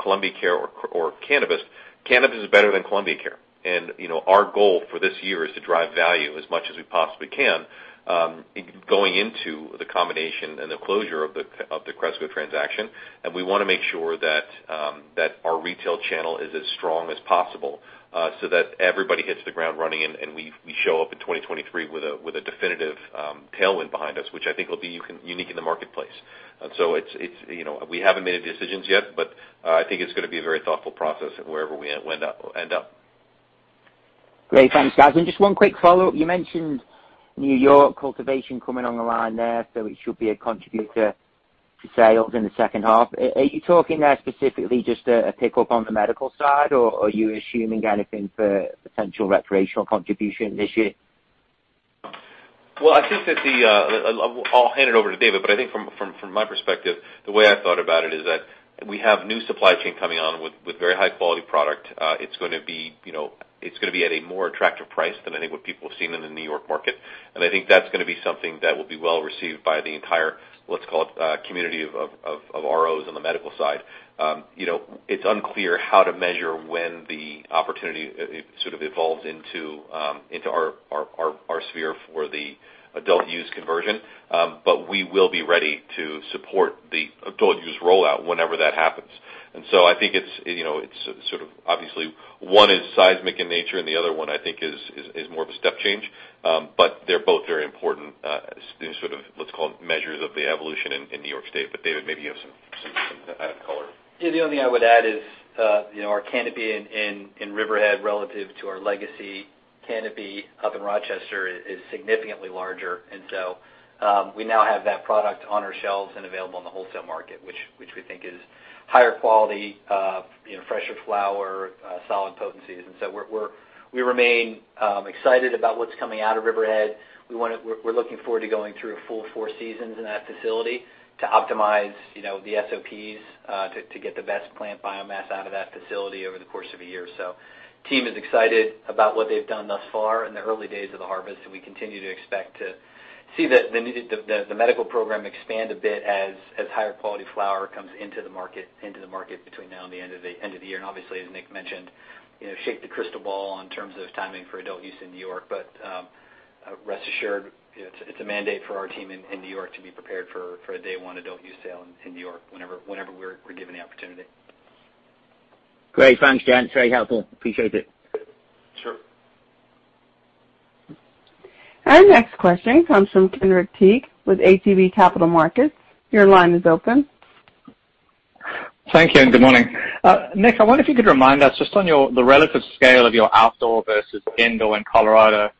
S3: Columbia Care or Cannabist is better than Columbia Care. You know, our goal for this year is to drive value as much as we possibly can going into the combination and the closure of the Cresco transaction. We wanna make sure that our retail channel is as strong as possible, so that everybody hits the ground running and we show up in 2023 with a definitive tailwind behind us, which I think will be unique in the marketplace. It's, you know, we haven't made any decisions yet, but I think it's gonna be a very thoughtful process wherever we end up.
S8: Great. Thanks, guys. Just one quick follow-up. You mentioned New York cultivation coming on the line there, so it should be a contributor to sales in the second half. Are you talking there specifically just a pickup on the medical side, or are you assuming anything for potential recreational contribution this year?
S3: Well, I think that the, I'll hand it over to David, but I think from my perspective, the way I thought about it is that we have new supply chain coming on with very high quality product. It's gonna be, you know, it's gonna be at a more attractive price than I think what people have seen in the New York market. I think that's gonna be something that will be well received by the entire, let's call it, community of ROs on the medical side. You know, it's unclear how to measure when the opportunity sort of evolves into our sphere for the adult use conversion. We will be ready to support the adult use rollout whenever that happens. I think it's, you know, it's sort of obviously one is seismic in nature and the other one I think is more of a step change. They're both very important, sort of let's call it measures of the evolution in New York State. David, maybe you have some color.
S5: Yeah. The only thing I would add is, you know, our canopy in Riverhead relative to our legacy canopy up in Rochester is significantly larger. We now have that product on our shelves and available in the wholesale market, which we think is higher quality, you know, fresher flower, solid potencies. We remain excited about what's coming out of Riverhead. We're looking forward to going through a full four seasons in that facility to optimize, you know, the SOPs, to get the best plant biomass out of that facility over the course of a year. Team is excited about what they've done thus far in the early days of the harvest, and we continue to expect to see the medical program expand a bit as higher quality flower comes into the market between now and the end of the year. Obviously, as Nick mentioned, you know, shake the crystal ball in terms of timing for adult use in New York. Rest assured, you know, it's a mandate for our team in New York to be prepared for a day one adult use sale in New York whenever we're given the opportunity.
S8: Great. Thanks, gents. Very helpful. Appreciate it.
S3: Sure.
S1: Our next question comes from Kenric Tyghe with ATB Capital Markets. Your line is open.
S10: Thank you, good morning. Nick, I wonder if you could remind us just on your, the relative scale of your outdoor versus indoor in Colorado.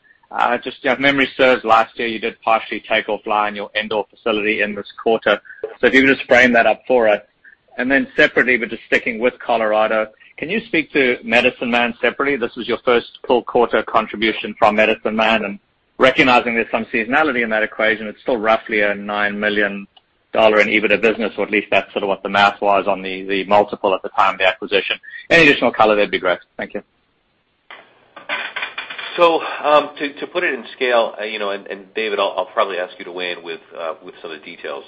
S10: Just, you know, if memory serves, last year you did partially take offline your indoor facility in this quarter. If you could just frame that up for us. Then separately, but just sticking with Colorado, can you speak to Medicine Man separately? This was your first full quarter contribution from Medicine Man, and recognizing there's some seasonality in that equation, it's still roughly a $9 million EBITDA business, or at least that's sort of what the math was on the multiple at the time of the acquisition. Any additional color, that'd be great. Thank you.
S3: to put it in scale, you know, and David, I'll probably ask you to weigh in with some of the details.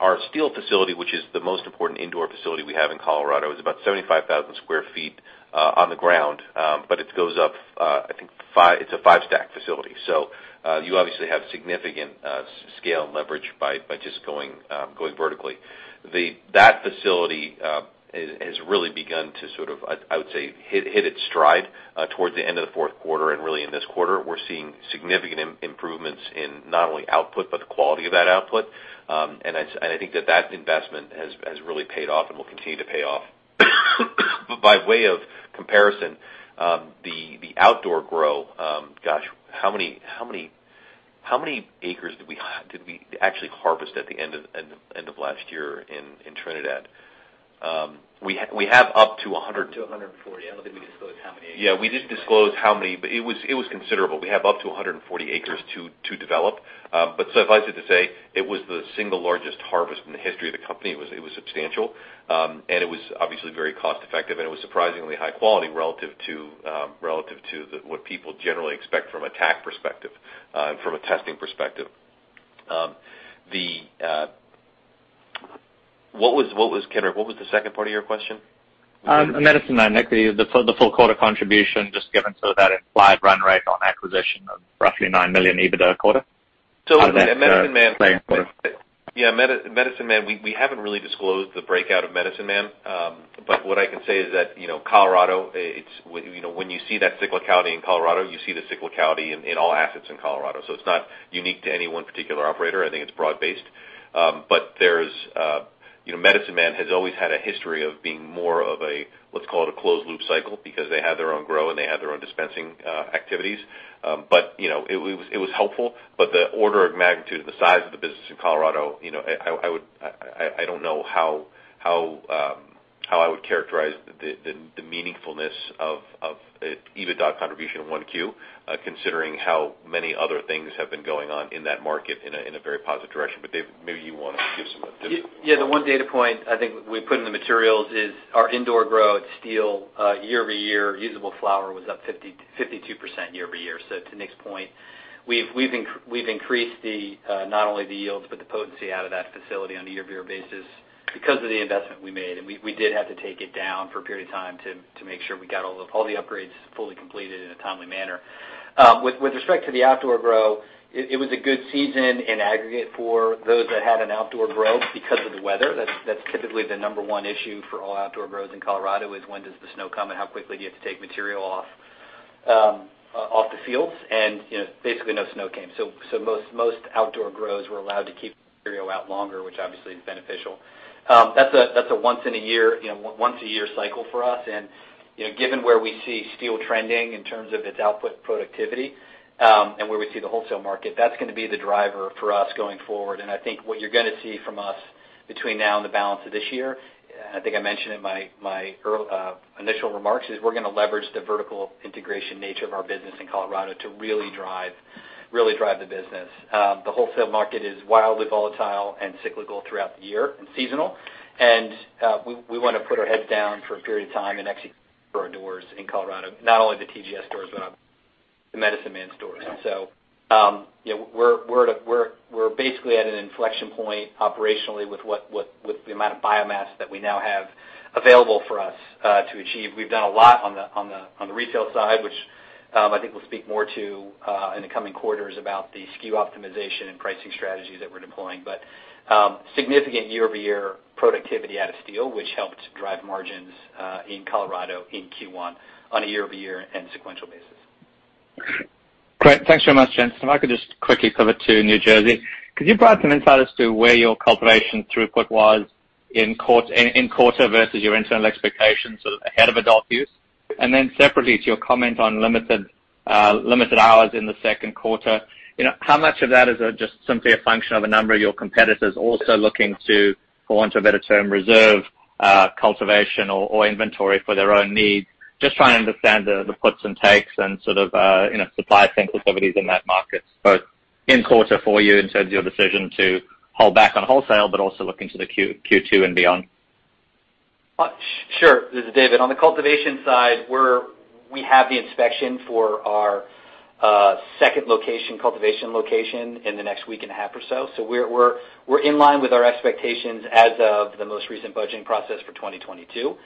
S3: Our Steele facility, which is the most important indoor facility we have in Colorado, is about 75,000 sq ft on the ground. But it goes up, I think five. It's a five-stack facility. You obviously have significant scale and leverage by just going vertically. That facility has really begun to sort of, I would say hit its stride towards the end of the fourth quarter, and really in this quarter. We're seeing significant improvements in not only output, but the quality of that output. I think that investment has really paid off and will continue to pay off. By way of comparison, the outdoor grow, how many acres did we actually harvest at the end of last year in Trinidad? We have up to 100-
S5: Up to 140. I don't think we disclosed how many acres.
S3: Yeah, we didn't disclose how many, but it was considerable. We have up to 140 acres to develop. Suffice it to say, it was the single largest harvest in the history of the company. It was substantial. It was obviously very cost-effective, and it was surprisingly high quality relative to what people generally expect from a TAC perspective, and from a testing perspective. Kenric, what was the second part of your question?
S10: Medicine Man, Nick. The full quarter contribution, just given sort of that implied run rate on acquisition of roughly $9 million EBITDA a quarter.
S3: Medicine Man, yeah, Medicine Man, we haven't really disclosed the breakout of Medicine Man. But what I can say is that, you know, Colorado, it's, you know, when you see that cyclicality in Colorado, you see the cyclicality in all assets in Colorado. It's not unique to any one particular operator. I think it's broad-based. But there's, you know, Medicine Man has always had a history of being more of a, let's call it a closed loop cycle because they have their own grow and they have their own dispensing activities.
S6: You know, it was helpful, but the order of magnitude of the size of the business in Colorado, you know, I would, I don't know how I would characterize the meaningfulness of EBITDA contribution in one Q, considering how many other things have been going on in that market in a very positive direction. Dave, maybe you wanna give some of the-
S5: Yeah. The one data point I think we put in the materials is our indoor growth Steele year-over-year usable flower was up 52% year-over-year. To Nick's point, we've increased not only the yields, but the potency out of that facility on a year-over-year basis because of the investment we made. We did have to take it down for a period of time to make sure we got all the upgrades fully completed in a timely manner. With respect to the outdoor grow, it was a good season in aggregate for those that had an outdoor grow because of the weather. That's typically the number one issue for all outdoor grows in Colorado, is when does the snow come and how quickly do you have to take material off the fields. You know, basically no snow came. Most outdoor grows were allowed to keep material out longer, which obviously is beneficial. That's a once in a year, you know, once a year cycle for us. You know, given where we see Steele trending in terms of its output productivity, and where we see the wholesale market, that's gonna be the driver for us going forward. I think what you're gonna see from us between now and the balance of this year, and I think I mentioned in my initial remarks, is we're gonna leverage the vertical integration nature of our business in Colorado to really drive the business. The wholesale market is wildly volatile and cyclical throughout the year and seasonal. We wanna put our heads down for a period of time and execute our stores in Colorado, not only the TGS stores, but the Medicine Man stores. Yeah, we're basically at an inflection point operationally with the amount of biomass that we now have available for us to achieve. We've done a lot on the retail side, which I think we'll speak more to in the coming quarters about the SKU optimization and pricing strategy that we're deploying. Significant year-over-year productivity out of Steele Street, which helped drive margins in Colorado in Q1 on a year-over-year and sequential basis.
S10: Great. Thanks very much, gents. If I could just quickly pivot to New Jersey, could you provide some insight as to where your cultivation throughput was in quarter versus your internal expectations sort of ahead of adult use? And then separately to your comment on limited hours in the second quarter, you know, how much of that is just simply a function of a number of your competitors also looking to go onto a better term reserve, cultivation or inventory for their own needs? Just trying to understand the puts and takes and sort of, you know, supply chain activities in that market, both in quarter for you in terms of your decision to hold back on wholesale, but also looking to the Q2 and beyond.
S5: Sure. This is David. On the cultivation side, we have the inspection for our second location, cultivation location in the next week and a half or so. We're in line with our expectations as of the most recent budgeting process for 2022.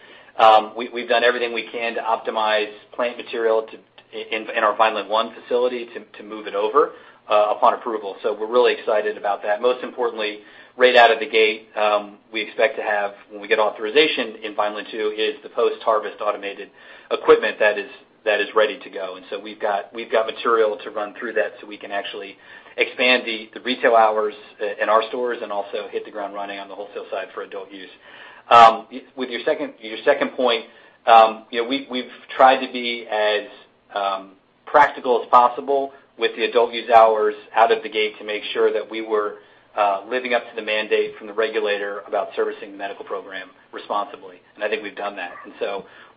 S5: We've done everything we can to optimize plant material to in our Vineland I facility to move it over upon approval. We're really excited about that. Most importantly, right out of the gate, we expect to have, when we get authorization in Vineland II, is the post-harvest automated equipment that is ready to go. We've got material to run through that, so we can actually expand the retail hours in our stores and also hit the ground running on the wholesale side for adult use. With your second point, you know, we've tried to be as practical as possible with the adult use hours out of the gate to make sure that we were living up to the mandate from the regulator about servicing the medical program responsibly, and I think we've done that.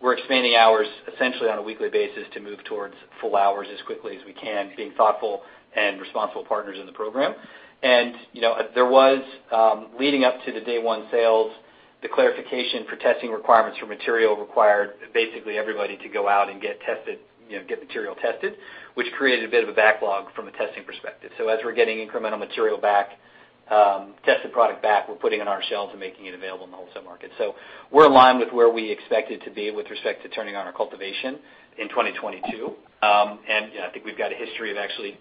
S5: We're expanding hours essentially on a weekly basis to move towards full hours as quickly as we can, being thoughtful and responsible partners in the program. You know, there was leading up to the day one sales, the clarification for testing requirements for material required basically everybody to go out and get tested, you know, get material tested, which created a bit of a backlog from a testing perspective. As we're getting incremental material back, tested product back, we're putting it on our shelves and making it available in the wholesale market. We're in line with where we expected to be with respect to turning on our cultivation in 2022. You know, I think we've got a history of actually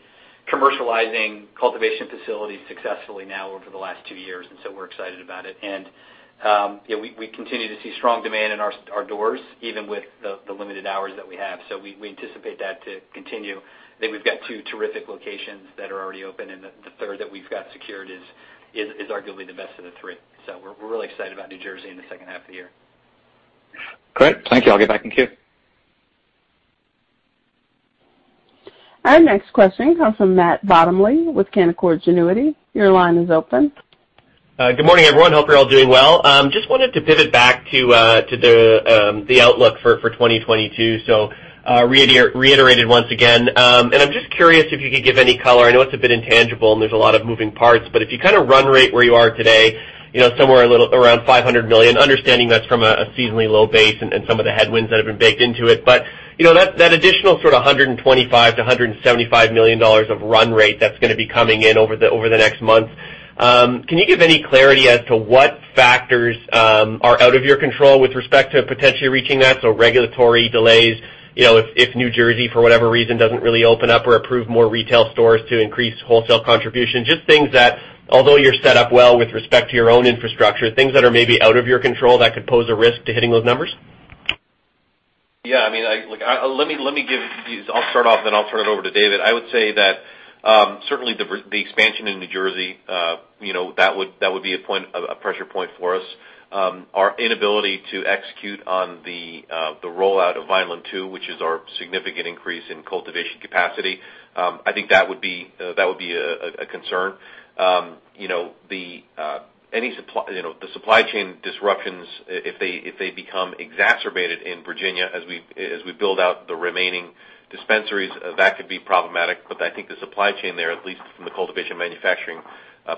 S5: commercializing cultivation facilities successfully now over the last two years, and we're excited about it. You know, we continue to see strong demand in our doors, even with the limited hours that we have. We anticipate that to continue. I think we've got two terrific locations that are already open, and the third that we've got secured is arguably the best of the three. We're really excited about New Jersey in the second half of the year.
S10: Great. Thank you. I'll get back in queue.
S1: Our next question comes from Matt Bottomley with Canaccord Genuity. Your line is open.
S11: Good morning, everyone. Hope you're all doing well. Just wanted to pivot back to the outlook for 2022. Reiterated once again. I'm just curious if you could give any color. I know it's a bit intangible, and there's a lot of moving parts, but if you kind of run rate where you are today, you know, somewhere a little around $500 million, understanding that's from a seasonally low base and some of the headwinds that have been baked into it. You know, that additional sort of $125 million-$175 million of run rate that's gonna be coming in over the next months. Can you give any clarity as to what factors are out of your control with respect to potentially reaching that? Regulatory delays, you know, if New Jersey, for whatever reason, doesn't really open up or approve more retail stores to increase wholesale contribution. Just things that although you're set up well with respect to your own infrastructure, things that are maybe out of your control that could pose a risk to hitting those numbers.
S3: Yeah. I mean, Look, let me give these. I'll start off, then I'll turn it over to David. I would say that certainly the expansion in New Jersey, you know, that would be a pressure point for us. Our inability to execute on the rollout of Vineland II, which is our significant increase in cultivation capacity, I think that would be a concern. You know, any supply chain disruptions, if they become exacerbated in Virginia as we build out the remaining dispensaries, that could be problematic. But I think the supply chain there, at least from the cultivation manufacturing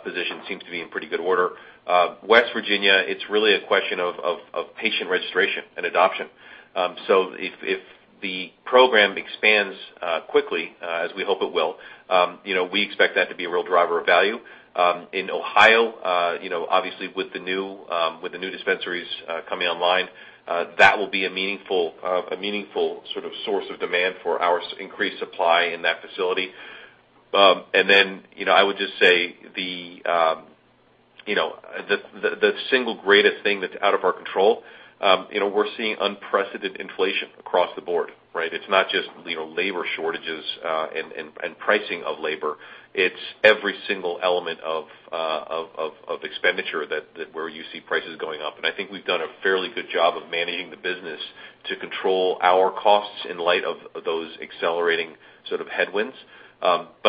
S3: position, seems to be in pretty good order. West Virginia, it's really a question of patient registration and adoption. If the program expands quickly, as we hope it will, you know, we expect that to be a real driver of value. In Ohio, you know, obviously with the new dispensaries coming online, that will be a meaningful sort of source of demand for our increased supply in that facility. You know, I would just say the single greatest thing that's out of our control, you know, we're seeing unprecedented inflation across the board, right? It's not just, you know, labor shortages and pricing of labor, it's every single element of expenditure that where you see prices going up. I think we've done a fairly good job of managing the business to control our costs in light of those accelerating sort of headwinds.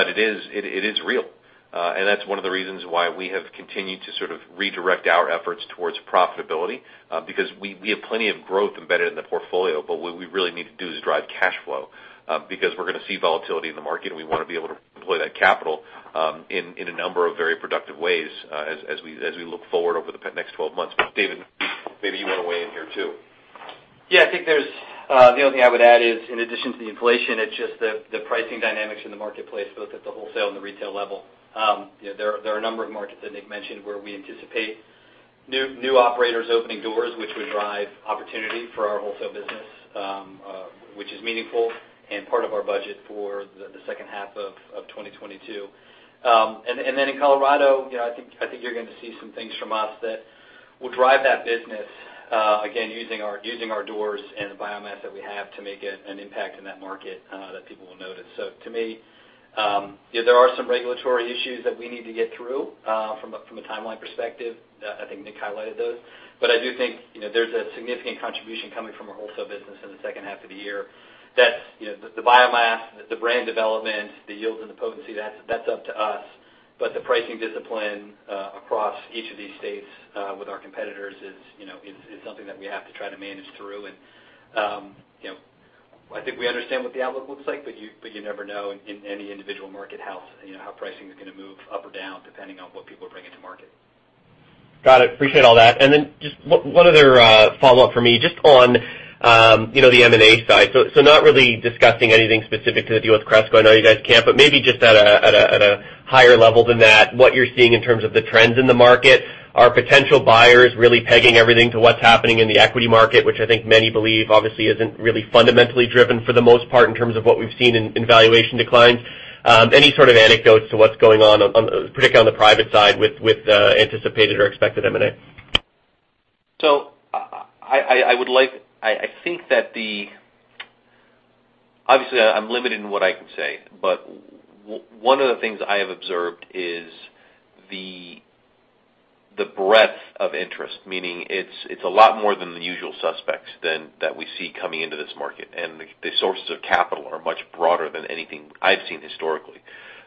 S3: It is real. That's one of the reasons why we have continued to sort of redirect our efforts towards profitability, because we have plenty of growth embedded in the portfolio. What we really need to do is drive cash flow, because we're gonna see volatility in the market, and we want to be able to deploy that capital in a number of very productive ways, as we look forward over the next 12 months. David, maybe you want to weigh in here too.
S5: Yeah, I think there's the only thing I would add is in addition to the inflation, it's just the pricing dynamics in the marketplace, both at the wholesale and the retail level. You know, there are a number of markets that Nick mentioned where we anticipate new operators opening doors, which would drive opportunity for our wholesale business, which is meaningful and part of our budget for the second half of 2022. In Colorado, you know, I think you're going to see some things from us that will drive that business, again, using our doors and the biomass that we have to make an impact in that market, that people will notice. To me, there are some regulatory issues that we need to get through, from a timeline perspective. I think Nick highlighted those. I do think, you know, there's a significant contribution coming from our wholesale business in the second half of the year. That's, you know, the biomass, the brand development, the yields and the potency, that's up to us. The pricing discipline across each of these states with our competitors is, you know, something that we have to try to manage through. You know, I think we understand what the outlook looks like, but you never know in any individual market how, you know, how pricing is gonna move up or down, depending on what people are bringing to market.
S11: Got it. Appreciate all that. Just one other follow-up for me just on, you know, the M&A side. Not really discussing anything specific to the deal with Cresco. I know you guys can't. Maybe just at a higher level than that, what you're seeing in terms of the trends in the market. Are potential buyers really pegging everything to what's happening in the equity market, which I think many believe obviously isn't really fundamentally driven for the most part in terms of what we've seen in valuation declines? Any sort of anecdotes to what's going on particularly on the private side with anticipated or expected M&A?
S3: I think that the... Obviously, I'm limited in what I can say, but one of the things I have observed is the breadth of interest. Meaning it's a lot more than the usual suspects that we see coming into this market. The sources of capital are much broader than anything I've seen historically.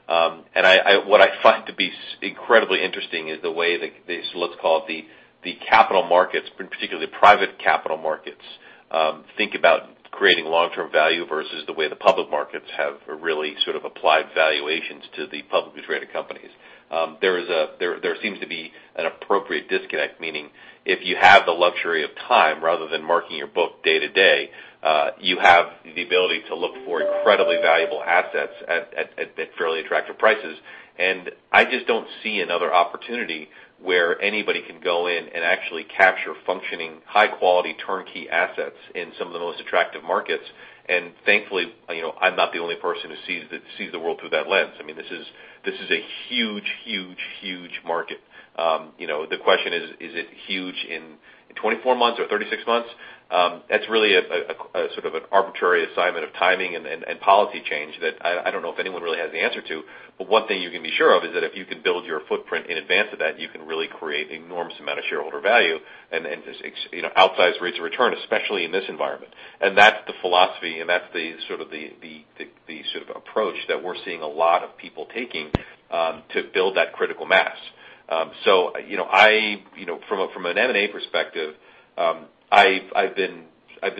S3: What I find to be incredibly interesting is the way the, so let's call it the capital markets, particularly private capital markets, think about creating long-term value versus the way the public markets have really sort of applied valuations to the publicly traded companies. There seems to be an appropriate disconnect, meaning if you have the luxury of time rather than marking your book day to day, you have the ability to look for incredibly valuable assets at fairly attractive prices. I just don't see another opportunity where anybody can go in and actually capture functioning high quality turnkey assets in some of the most attractive markets. Thankfully, you know, I'm not the only person who sees the world through that lens. I mean, this is a huge market. You know, the question is it huge in 24 months or 36 months? That's really a sort of an arbitrary assignment of timing and policy change that I don't know if anyone really has the answer to. One thing you can be sure of is that if you can build your footprint in advance of that, you can really create enormous amount of shareholder value and, you know, outsized rates of return, especially in this environment. That's the philosophy, and that's the sort of approach that we're seeing a lot of people taking to build that critical mass. You know, from an M&A perspective, I've been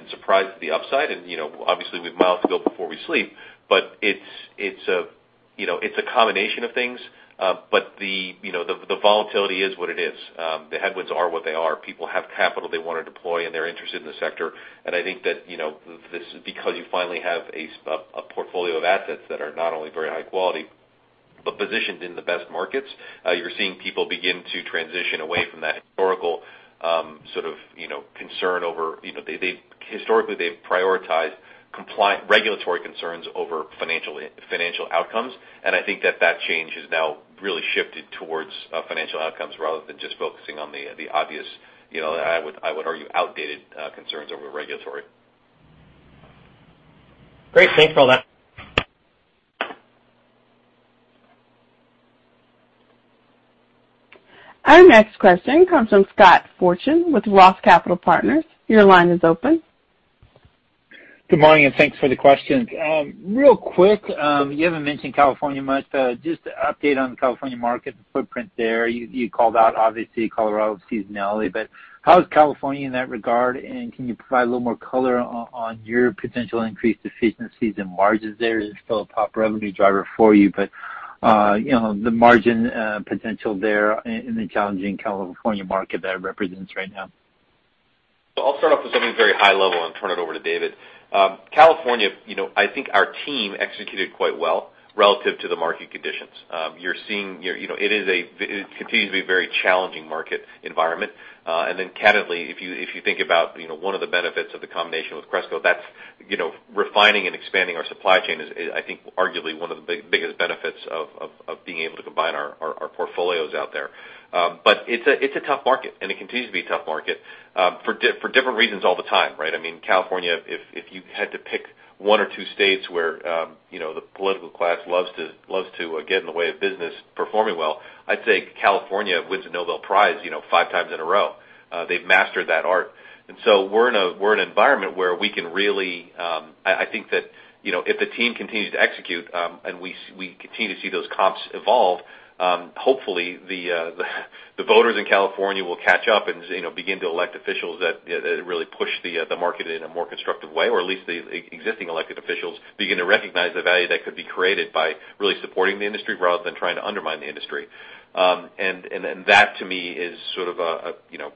S3: surprised at the upside. You know, obviously we've miles to go before we sleep. It's a combination of things. You know, the volatility is what it is. The headwinds are what they are. People have capital they want to deploy, and they're interested in the sector. I think that, you know, this is because you finally have a portfolio of assets that are not only very high quality but positioned in the best markets. You're seeing people begin to transition away from that historical, sort of, you know, concern over, you know, they historically they've prioritized compliance regulatory concerns over financial outcomes. I think that that change has now really shifted towards financial outcomes rather than just focusing on the obvious, you know, I would argue, outdated concerns over regulatory.
S11: Great. Thanks for all that.
S1: Our next question comes from Scott Fortune with ROTH Capital Partners. Your line is open.
S12: Good morning, and thanks for the questions. Real quick, you haven't mentioned California much, just an update on the California market footprint there. You called out obviously Colorado seasonality, but how is California in that regard? And can you provide a little more color on your potential increased efficiencies and margins there? It's still a top revenue driver for you, but you know, the margin potential there in the challenging California market that it represents right now.
S3: I'll start off with something very high level and turn it over to David. California, you know, I think our team executed quite well relative to the market conditions. You're seeing, you know, it continues to be a very challenging market environment. Candidly, if you think about, you know, one of the benefits of the combination with Cresco, that's, you know, refining and expanding our supply chain is I think arguably one of the biggest benefits of being able to combine our portfolios out there. But it's a tough market and it continues to be a tough market for different reasons all the time, right? I mean, California, if you had to pick one or two states where, you know, the political class loves to get in the way of business performing well, I'd say California wins a Nobel Prize, you know, five times in a row. They've mastered that art. We're in an environment where we can really, I think that, you know, if the team continues to execute, and we continue to see those comps evolve, hopefully the voters in California will catch up and, you know, begin to elect officials that really push the market in a more constructive way, or at least the existing elected officials begin to recognize the value that could be created by really supporting the industry rather than trying to undermine the industry. That to me is sort of a you know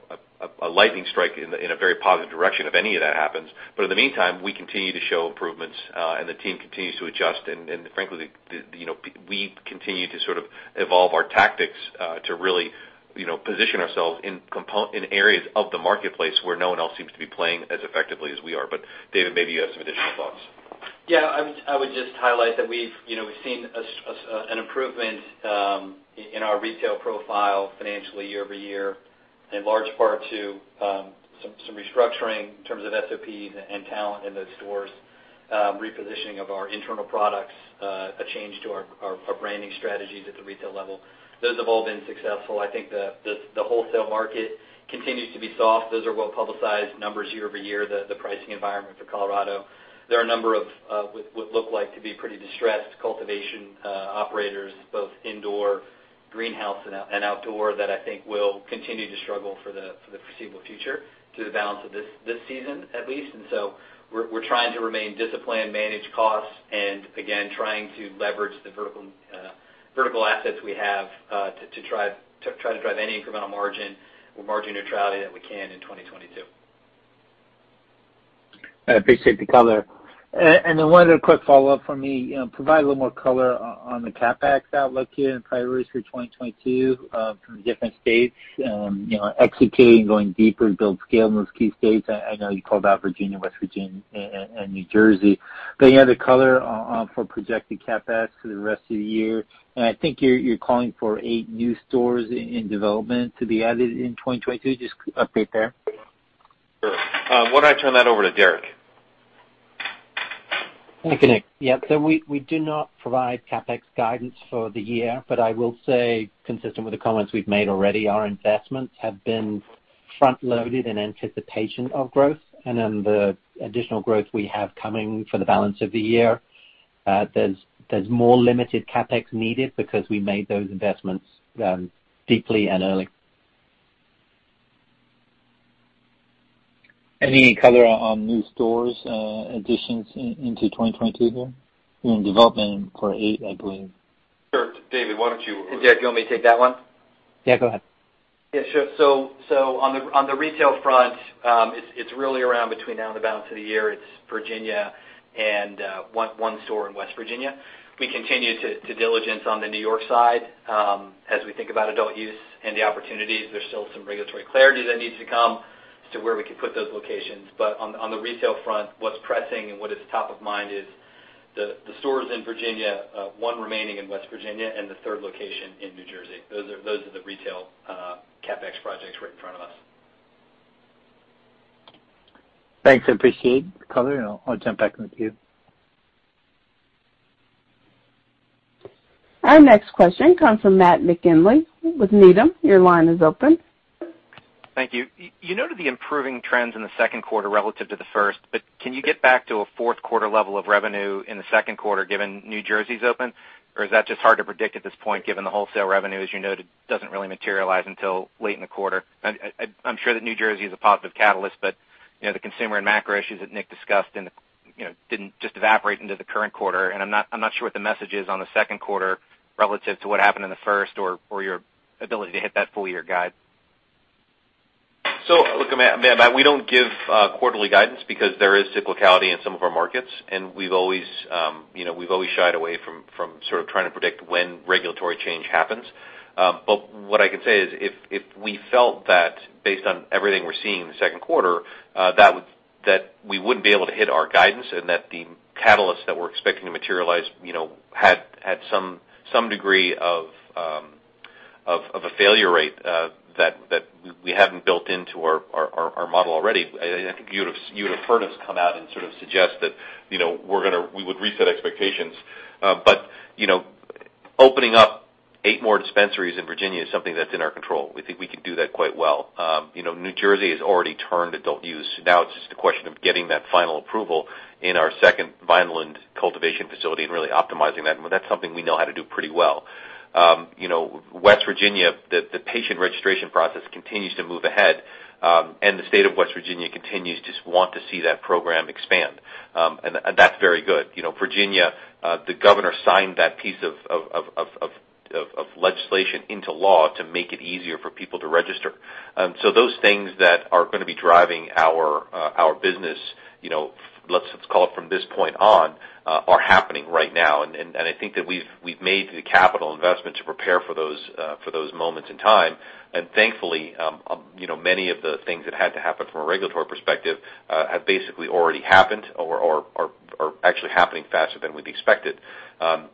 S3: a lightning strike in a very positive direction if any of that happens. In the meantime, we continue to show improvements, and the team continues to adjust. Frankly, you know, we continue to sort of evolve our tactics to really you know position ourselves in areas of the marketplace where no one else seems to be playing as effectively as we are. David, maybe you have some additional thoughts.
S5: Yeah. I would just highlight that you know, we've seen an improvement in our retail profile financially year-over-year, in large part to some restructuring in terms of SOP and talent in those stores, repositioning of our internal products, a change to our branding strategies at the retail level. Those have all been successful. I think the wholesale market continues to be soft. Those are well-publicized numbers year-over-year, the pricing environment for Colorado. There are a number of what look like to be pretty distressed cultivation operators, both indoor greenhouse and outdoor, that I think will continue to struggle for the foreseeable future through the balance of this season at least. We're trying to remain disciplined, manage costs, and again, trying to leverage the vertical assets we have to try to drive any incremental margin or margin neutrality that we can in 2022.
S12: I appreciate the color. One other quick follow-up for me. You know, provide a little more color on the CapEx outlook here and priorities for 2022, from different states, you know, executing, going deeper to build scale in those key states. I know you called out Virginia, West Virginia, and New Jersey. Any other color on for projected CapEx for the rest of the year? I think you're calling for eight new stores in development to be added in 2022. Just update there.
S3: Sure. Why don't I turn that over to Derek?
S4: Thank you, Nick. Yeah. We do not provide CapEx guidance for the year, but I will say consistent with the comments we've made already, our investments have been front loaded in anticipation of growth. The additional growth we have coming for the balance of the year, there's more limited CapEx needed because we made those investments, deeply and early.
S12: Any color on new stores, additions into 2022 here? You're in development for eight, I believe.
S3: Sure. David, why don't you-
S5: Derek, do you want me to take that one?
S4: Yeah, go ahead.
S5: Yeah, sure. On the retail front, it's really around between now and the balance of the year. It's Virginia and one store in West Virginia. We continue to diligence on the New York side, as we think about adult use and the opportunities. There's still some regulatory clarity that needs to come as to where we could put those locations. On the retail front, what's pressing and what is top of mind is the stores in Virginia, one remaining in West Virginia and the third location in New Jersey. Those are the retail CapEx projects right in front of us.
S12: Thanks. I appreciate the color, and I'll jump back in the queue.
S1: Our next question comes from Matt McGinley with Needham. Your line is open.
S13: Thank you. You noted the improving trends in the second quarter relative to the first, but can you get back to a fourth quarter level of revenue in the second quarter given New Jersey's open? Or is that just hard to predict at this point, given the wholesale revenue, as you noted, doesn't really materialize until late in the quarter? I'm sure that New Jersey is a positive catalyst, but, you know, the consumer and macro issues that Nick discussed in the, you know, didn't just evaporate into the current quarter. I'm not sure what the message is on the second quarter relative to what happened in the first or your ability to hit that full year guide.
S3: Look, Matt, we don't give quarterly guidance because there is cyclicality in some of our markets, and we've always, you know, we've always shied away from sort of trying to predict when regulatory change happens. What I can say is if we felt that based on everything we're seeing in the second quarter, that we wouldn't be able to hit our guidance and that the catalysts that we're expecting to materialize, you know, had some degree of a failure rate, that we hadn't built into our model already, I think you would've heard us come out and sort of suggest that, you know, we would reset expectations. You know, opening up eight more dispensaries in Virginia is something that's in our control. We think we can do that quite well. You know, New Jersey has already turned adult use. Now it's just a question of getting that final approval in our second Vineland cultivation facility and really optimizing that. Well, that's something we know how to do pretty well. You know, West Virginia, the patient registration process continues to move ahead, and the state of West Virginia continues to want to see that program expand, and that's very good. You know, Virginia, the governor signed that piece of legislation into law to make it easier for people to register. Those things that are gonna be driving our business, you know, let's call it from this point on, are happening right now. I think that we've made the capital investment to prepare for those moments in time. Thankfully, you know, many of the things that had to happen from a regulatory perspective have basically already happened or are actually happening faster than we'd expected.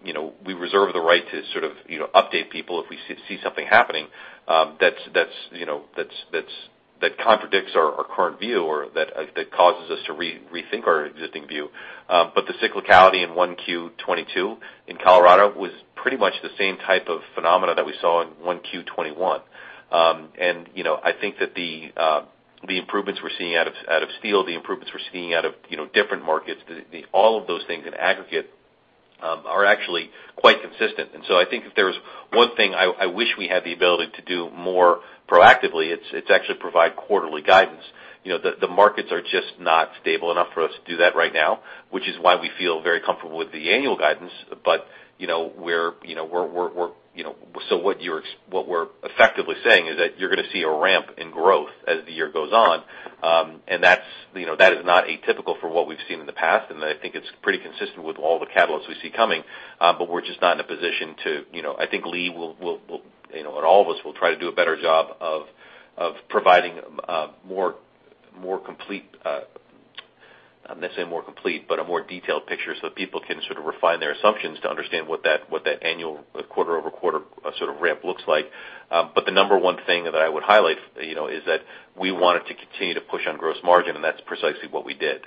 S3: You know, we reserve the right to sort of, you know, update people if we see something happening, that's that contradicts our current view or that causes us to rethink our existing view. The cyclicality in 1Q 2022 in Colorado was pretty much the same type of phenomena that we saw in 1Q 2021. You know, I think that the improvements we're seeing out of Steele, you know, different markets, all of those things in aggregate are actually quite consistent. I think if there's one thing I wish we had the ability to do more proactively, it's actually provide quarterly guidance. You know, the markets are just not stable enough for us to do that right now, which is why we feel very comfortable with the annual guidance. You know, we're, you know, we're, you know. What we're effectively saying is that you're gonna see a ramp in growth as the year goes on, and that's, you know, that is not atypical for what we've seen in the past, and I think it's pretty consistent with all the catalysts we see coming, but we're just not in a position to, you know. I think Lee will, you know, and all of us will try to do a better job of providing a more complete, I won't say more complete, but a more detailed picture so that people can sort of refine their assumptions to understand what that annual quarter-over-quarter sort of ramp looks like. The number one thing that I would highlight, you know, is that we wanted to continue to push on gross margin, and that's precisely what we did.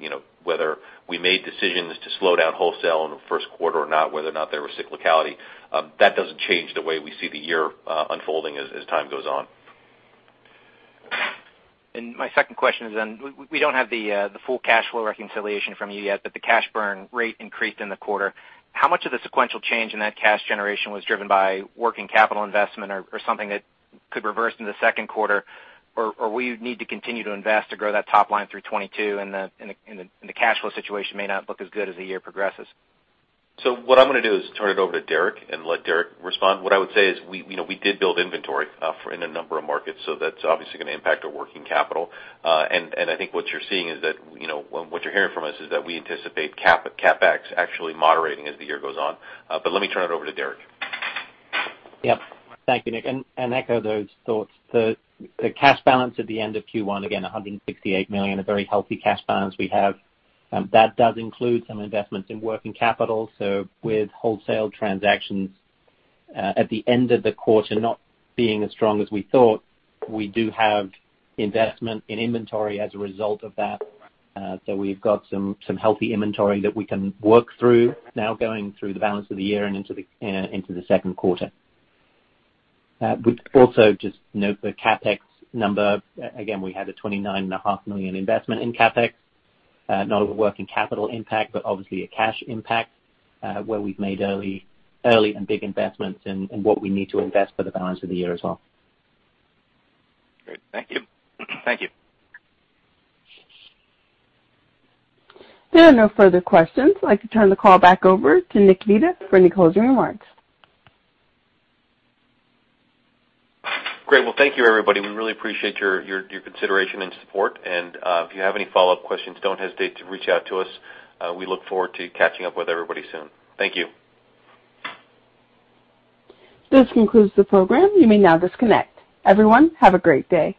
S3: You know, whether we made decisions to slow down wholesale in the first quarter or not, whether or not there was cyclicality, that doesn't change the way we see the year unfolding as time goes on.
S13: My second question is then, we don't have the full cash flow reconciliation from you yet, but the cash burn rate increased in the quarter. How much of the sequential change in that cash generation was driven by working capital investment or something that could reverse in the second quarter? Or will you need to continue to invest to grow that top line through 2022 and the cash flow situation may not look as good as the year progresses?
S3: What I'm gonna do is turn it over to Derek and let Derek respond. What I would say is we, you know, we did build inventory in a number of markets, so that's obviously gonna impact our working capital. And I think what you're seeing is that, you know, what you're hearing from us is that we anticipate CapEx actually moderating as the year goes on. But let me turn it over to Derek.
S4: Yep. Thank you, Nick. Echo those thoughts. The cash balance at the end of Q1, again, $168 million, a very healthy cash balance we have. That does include some investments in working capital, so with wholesale transactions at the end of the quarter not being as strong as we thought, we do have investment in inventory as a result of that. We've got some healthy inventory that we can work through now going through the balance of the year and into the second quarter. We also just note the CapEx number. Again, we had a $29.5 million investment in CapEx. Not a working capital impact, but obviously a cash impact, where we've made early and big investments in what we need to invest for the balance of the year as well.
S13: Great. Thank you. Thank you.
S1: There are no further questions. I'd like to turn the call back over to Nick Vita for any closing remarks.
S3: Great. Well, thank you everybody. We really appreciate your consideration and support. If you have any follow-up questions, don't hesitate to reach out to us. We look forward to catching up with everybody soon. Thank you.
S1: This concludes the program. You may now disconnect. Everyone, have a great day.